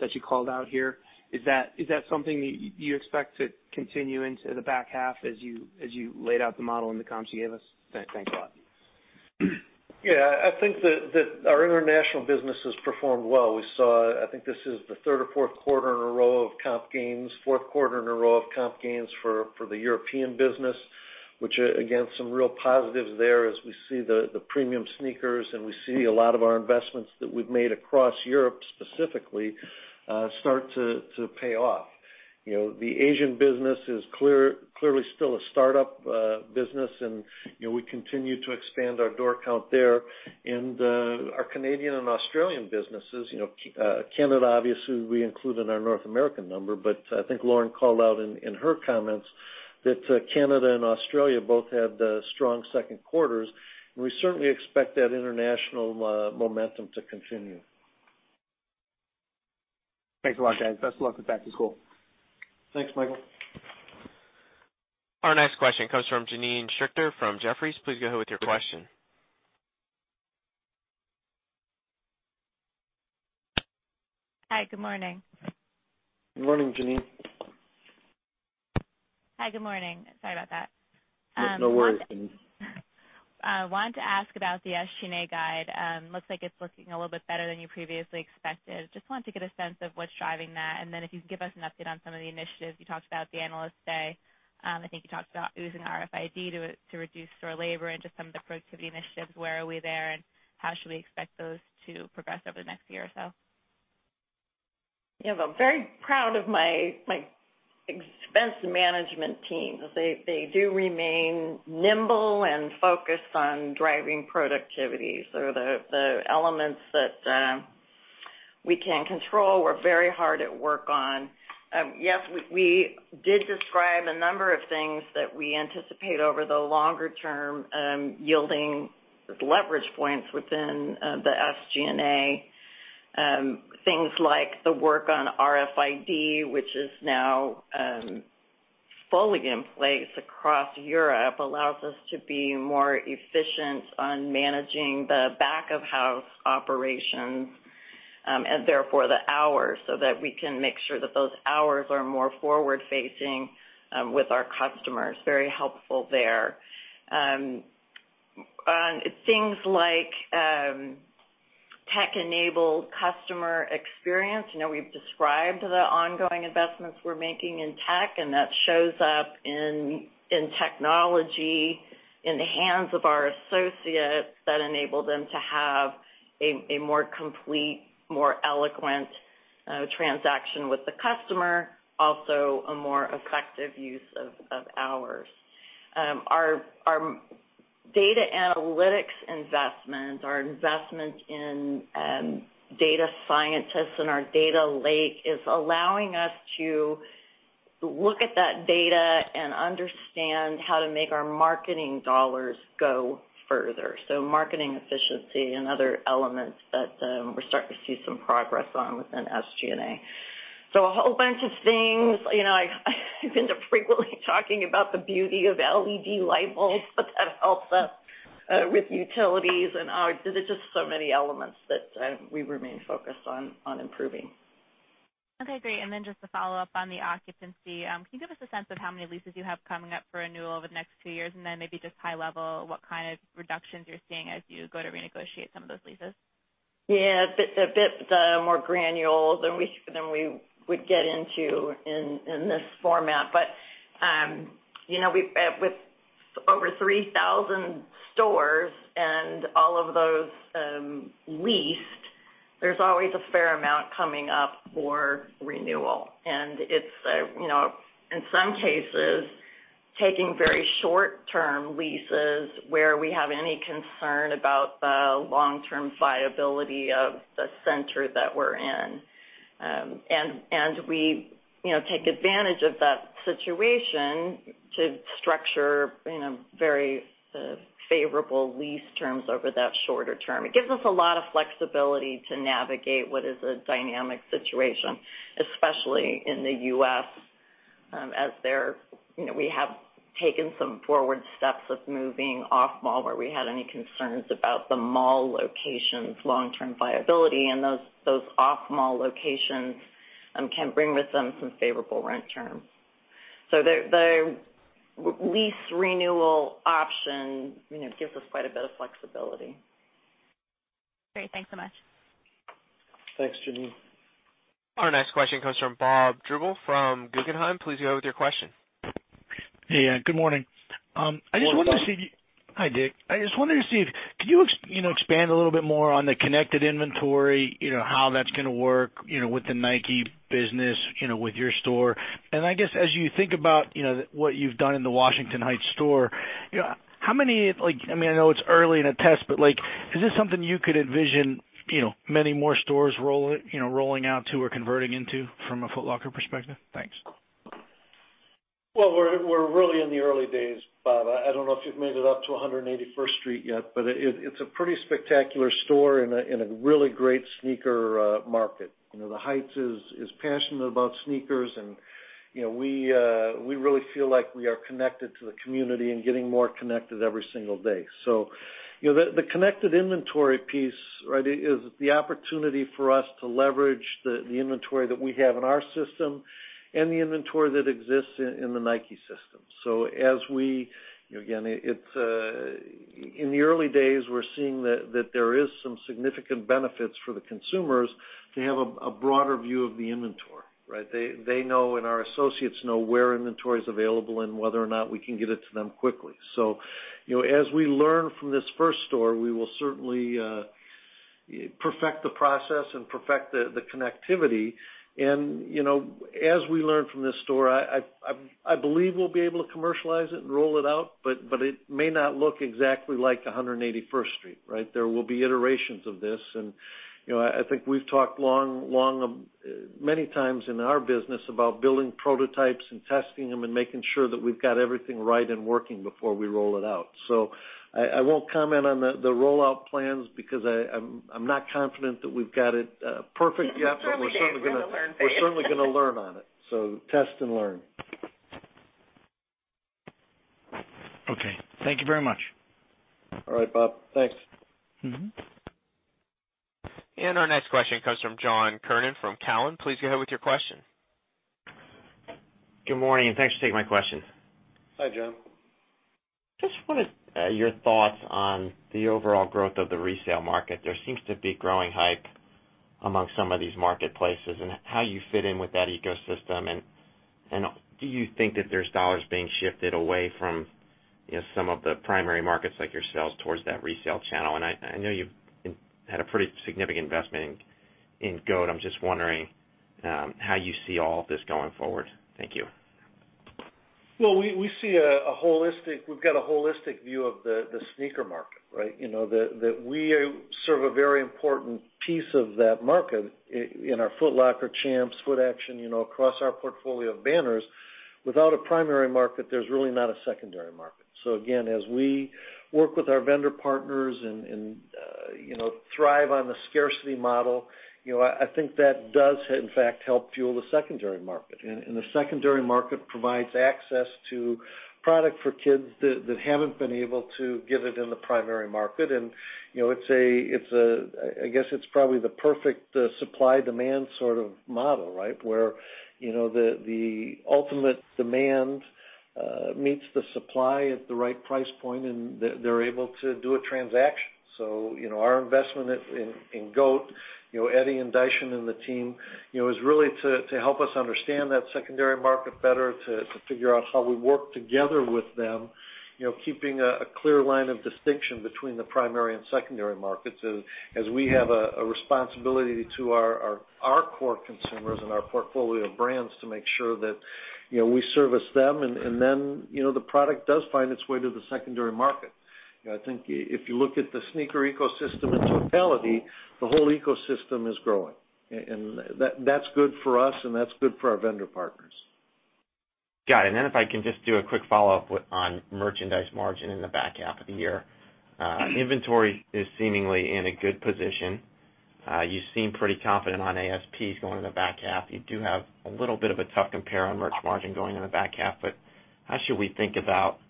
that you called out here. Is that something that you expect to continue into the back half as you laid out the model and the comps you gave us? Thanks a lot. Yeah, I think that our international business has performed well. We saw, I think this is the third or fourth quarter in a row of comp gains, fourth quarter in a row of comp gains for the European business, which again, some real positives there as we see the premium sneakers and we see a lot of our investments that we've made across Europe specifically start to pay off. The Asian business is clearly still a startup business, and we continue to expand our door count there. Our Canadian and Australian businesses, Canada obviously we include in our North American number, but I think Lauren called out in her comments that Canada and Australia both had strong second quarters. We certainly expect that international momentum to continue. Thanks a lot, guys. Best of luck with back to school. Thanks, Michael. Our next question comes from Janine Stichter from Jefferies. Please go ahead with your question. Hi, good morning. Good morning, Janine. Hi, good morning. Sorry about that. No worries. Wanted to ask about the SG&A guide. Looks like it's looking a little bit better than you previously expected. Just wanted to get a sense of what's driving that, and then if you could give us an update on some of the initiatives. You talked about the Analyst Day. I think you talked about using RFID to reduce store labor and just some of the productivity initiatives. Where are we there, and how should we expect those to progress over the next year or so? Yeah. I'm very proud of my expense management teams. They do remain nimble and focused on driving productivity. The elements that we can control, we're very hard at work on. Yes, we did describe a number of things that we anticipate over the longer term yielding leverage points within the SG&A. Things like the work on RFID, which is now fully in place across Europe, allows us to be more efficient on managing the back-of-house operations, and therefore the hours, so that we can make sure that those hours are more forward-facing with our customers. Very helpful there. On things like tech-enabled customer experience, we've described the ongoing investments we're making in tech, and that shows up in technology in the hands of our associates that enable them to have a more complete, more eloquent transaction with the customer. Also, a more effective use of hours. Our data analytics investment, our investment in data scientists and our data lake is allowing us to look at that data and understand how to make our marketing dollars go further. Marketing efficiency and other elements that we're starting to see some progress on within SG&A. A whole bunch of things. I end up frequently talking about the beauty of LED light bulbs. That helps us with utilities. There are just so many elements that we remain focused on improving. Okay, great. Just to follow up on the occupancy. Can you give us a sense of how many leases you have coming up for renewal over the next two years? Maybe just high level, what kind of reductions you're seeing as you go to renegotiate some of those leases? Yeah. A bit more granules than we would get into in this format. With over 3,000 stores and all of those leased, there's always a fair amount coming up for renewal. It's, in some cases, taking very short-term leases where we have any concern about the long-term viability of the center that we're in. We take advantage of that situation to structure very favorable lease terms over that shorter term. It gives us a lot of flexibility to navigate what is a dynamic situation, especially in the U.S., as we have taken some forward steps of moving off mall where we had any concerns about the mall location's long-term viability, and those off-mall locations can bring with them some favorable rent terms. The lease renewal option gives us quite a bit of flexibility. Great. Thanks so much. Thanks, Janine. Our next question comes from Bob Drbul from Guggenheim. Please go ahead with your question. Hey. Good morning. Good morning, Bob. Hi, Dick. I just wanted to see, could you expand a little bit more on the connected inventory, how that's going to work with the Nike business, with your store. I guess, as you think about what you've done in the Washington Heights store, I know it's early in a test, but is this something you could envision many more stores rolling out to or converting into from a Foot Locker perspective? Thanks. Well, we're really in the early days, Bob. I don't know if you've made it up to 181st Street yet, but it's a pretty spectacular store in a really great sneaker market. The Heights is passionate about sneakers, and we really feel like we are connected to the community and getting more connected every single day. The connected inventory piece is the opportunity for us to leverage the inventory that we have in our system and the inventory that exists in the Nike system. In the early days, we're seeing that there is some significant benefits for the consumers to have a broader view of the inventory. They know, and our associates know where inventory is available and whether or not we can get it to them quickly. As we learn from this first store, we will certainly perfect the process and perfect the connectivity. As we learn from this store, I believe we'll be able to commercialize it and roll it out, but it may not look exactly like 181st Street. There will be iterations of this. I think we've talked many times in our business about building prototypes and testing them and making sure that we've got everything right and working before we roll it out. I won't comment on the rollout plans because I'm not confident that we've got it perfect yet. Early days. We're in the learn phase. We're certainly going to learn on it. Test and learn. Okay. Thank you very much. All right, Bob. Thanks. Our next question comes from John Kernan from Cowen. Please go ahead with your question. Good morning, and thanks for taking my question. Hi, John. Just what is your thoughts on the overall growth of the resale market? There seems to be growing hype amongst some of these marketplaces, and how you fit in with that ecosystem, and do you think that there's dollars being shifted away from some of the primary markets like yourselves towards that resale channel? I know you've had a pretty significant investment in GOAT. I'm just wondering, how you see all of this going forward. Thank you. Well, we've got a holistic view of the sneaker market. We serve a very important piece of that market in our Foot Locker, Champs, Footaction, across our portfolio of banners. Without a primary market, there's really not a secondary market. Again, as we work with our vendor partners and thrive on the scarcity model, I think that does, in fact, help fuel the secondary market. The secondary market provides access to product for kids that haven't been able to get it in the primary market. I guess it's probably the perfect supply-demand sort of model where the ultimate demand meets the supply at the right price point, and they're able to do a transaction. Our investment in GOAT, Eddy and Daishin, and the team, is really to help us understand that secondary market better, to figure out how we work together with them, keeping a clear line of distinction between the primary and secondary markets as we have a responsibility to our core consumers and our portfolio of brands to make sure that we service them, and then the product does find its way to the secondary market. I think if you look at the sneaker ecosystem in totality, the whole ecosystem is growing. That's good for us, and that's good for our vendor partners. Got it. Then if I can just do a quick follow-up on merchandise margin in the back half of the year. Inventory is seemingly in a good position. You seem pretty confident on ASPs going in the back half. You do have a little bit of a tough compare on merch margin going in the back half. How should we think about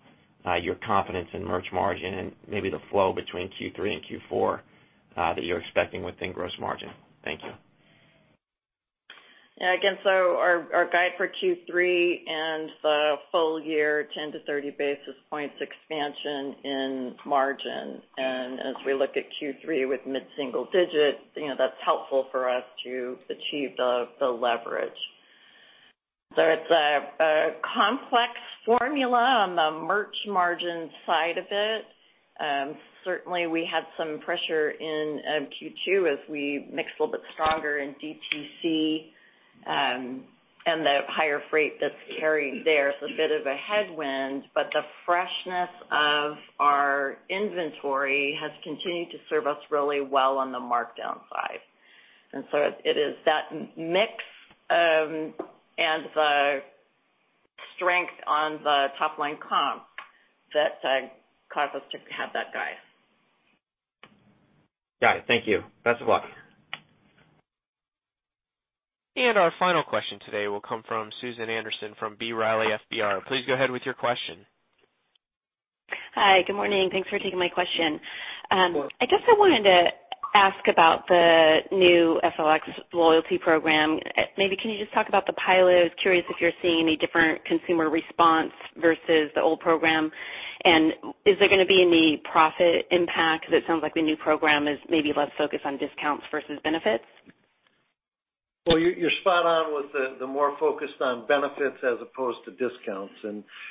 your confidence in merch margin and maybe the flow between Q3 and Q4 that you're expecting within gross margin? Thank you. Our guide for Q3 and the full year, 10 to 30 basis points expansion in margin. As we look at Q3 with mid-single digits, that's helpful for us to achieve the leverage. It's a complex formula on the merch margin side of it. Certainly, we had some pressure in Q2 as we mixed a little bit stronger in DTC, and the higher freight that's carried there is a bit of a headwind, but the freshness of our inventory has continued to serve us really well on the markdown side. It is that mix and the strength on the top-line comp that cause us to have that guide. Got it. Thank you. Best of luck. Our final question today will come from Susan Anderson from B. Riley FBR. Please go ahead with your question. Hi. Good morning. Thanks for taking my question. Sure. I just wanted to ask about the new FLX loyalty program. Maybe can you just talk about the pilot? Curious if you're seeing a different consumer response versus the old program, and is there going to be any profit impact? It sounds like the new program is maybe less focused on discounts versus benefits. Well, you're spot on with the more focused on benefits as opposed to discounts. As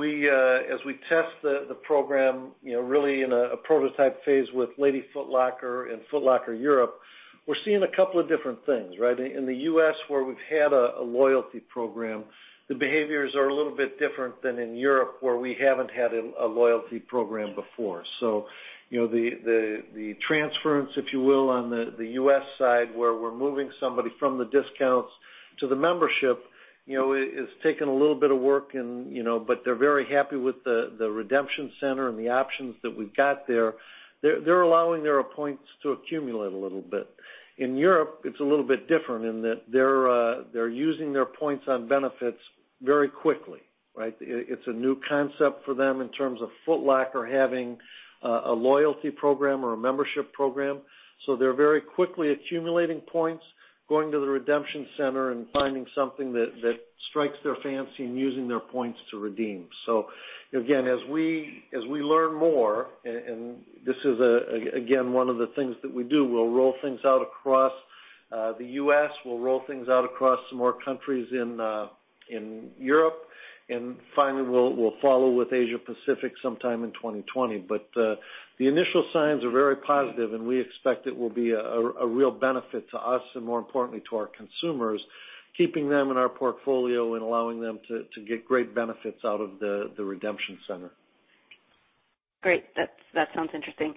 we test the program really in a prototype phase with Lady Foot Locker and Foot Locker Europe, we're seeing a couple of different things. In the U.S., where we've had a loyalty program, the behaviors are a little bit different than in Europe, where we haven't had a loyalty program before. The transference, if you will, on the U.S. side, where we're moving somebody from the discounts to the membership, it's taken a little bit of work, but they're very happy with the redemption center and the options that we've got there. They're allowing their points to accumulate a little bit. In Europe, it's a little bit different in that they're using their points on benefits very quickly, right? It's a new concept for them in terms of Foot Locker having a loyalty program or a membership program. They're very quickly accumulating points, going to the redemption center, and finding something that strikes their fancy, and using their points to redeem. Again, as we learn more, and this is, again, one of the things that we do, we'll roll things out across the U.S., we'll roll things out across more countries in Europe, and finally, we'll follow with Asia Pacific sometime in 2020. The initial signs are very positive, and we expect it will be a real benefit to us and, more importantly, to our consumers, keeping them in our portfolio and allowing them to get great benefits out of the redemption center. Great. That sounds interesting.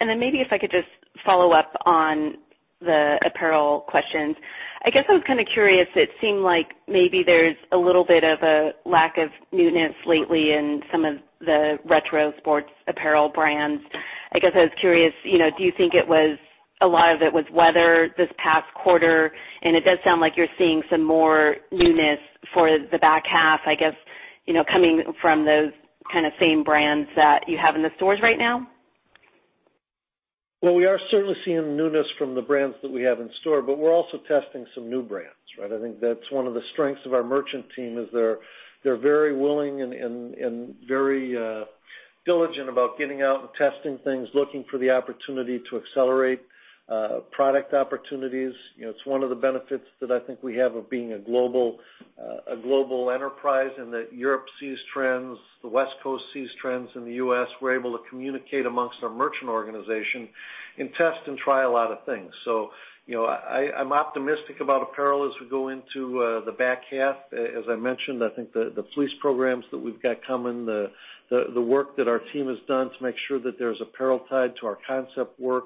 Maybe if I could just follow up on the apparel questions. I guess I was kind of curious. It seemed like maybe there's a little bit of a lack of newness lately in some of the retro sports apparel brands. I guess I was curious, do you think a lot of it was weather this past quarter? It does sound like you're seeing some more newness for the back half, I guess, coming from those kind of same brands that you have in the stores right now. We are certainly seeing newness from the brands that we have in store, we're also testing some new brands, right? I think that's one of the strengths of our merchant team, is they're very willing and very diligent about getting out and testing things, looking for the opportunity to accelerate product opportunities. It's one of the benefits that I think we have of being a global enterprise in that Europe sees trends, the West Coast sees trends in the U.S. We're able to communicate amongst our merchant organization and test and try a lot of things. I'm optimistic about apparel as we go into the back half. As I mentioned, I think the fleece programs that we've got coming, the work that our team has done to make sure that there's apparel tied to our concept work,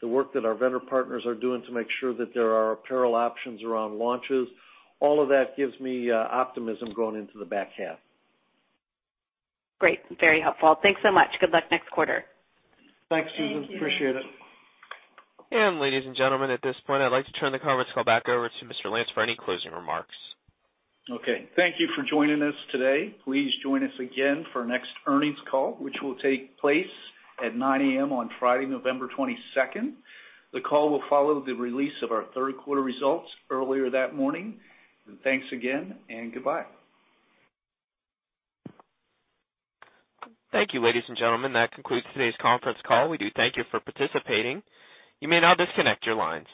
the work that our vendor partners are doing to make sure that there are apparel options around launches. All of that gives me optimism going into the back half. Great. Very helpful. Thanks so much. Good luck next quarter. Thanks, Susan. Appreciate it. Ladies and gentlemen, at this point, I'd like to turn the conference call back over to Mr. Lance for any closing remarks. Okay. Thank you for joining us today. Please join us again for next earnings call, which will take place at 9:00 A.M. on Friday, November 22nd. The call will follow the release of our third quarter results earlier that morning. Thanks again, and goodbye. Thank you, ladies and gentlemen. That concludes today's conference call. We do thank you for participating. You may now disconnect your lines.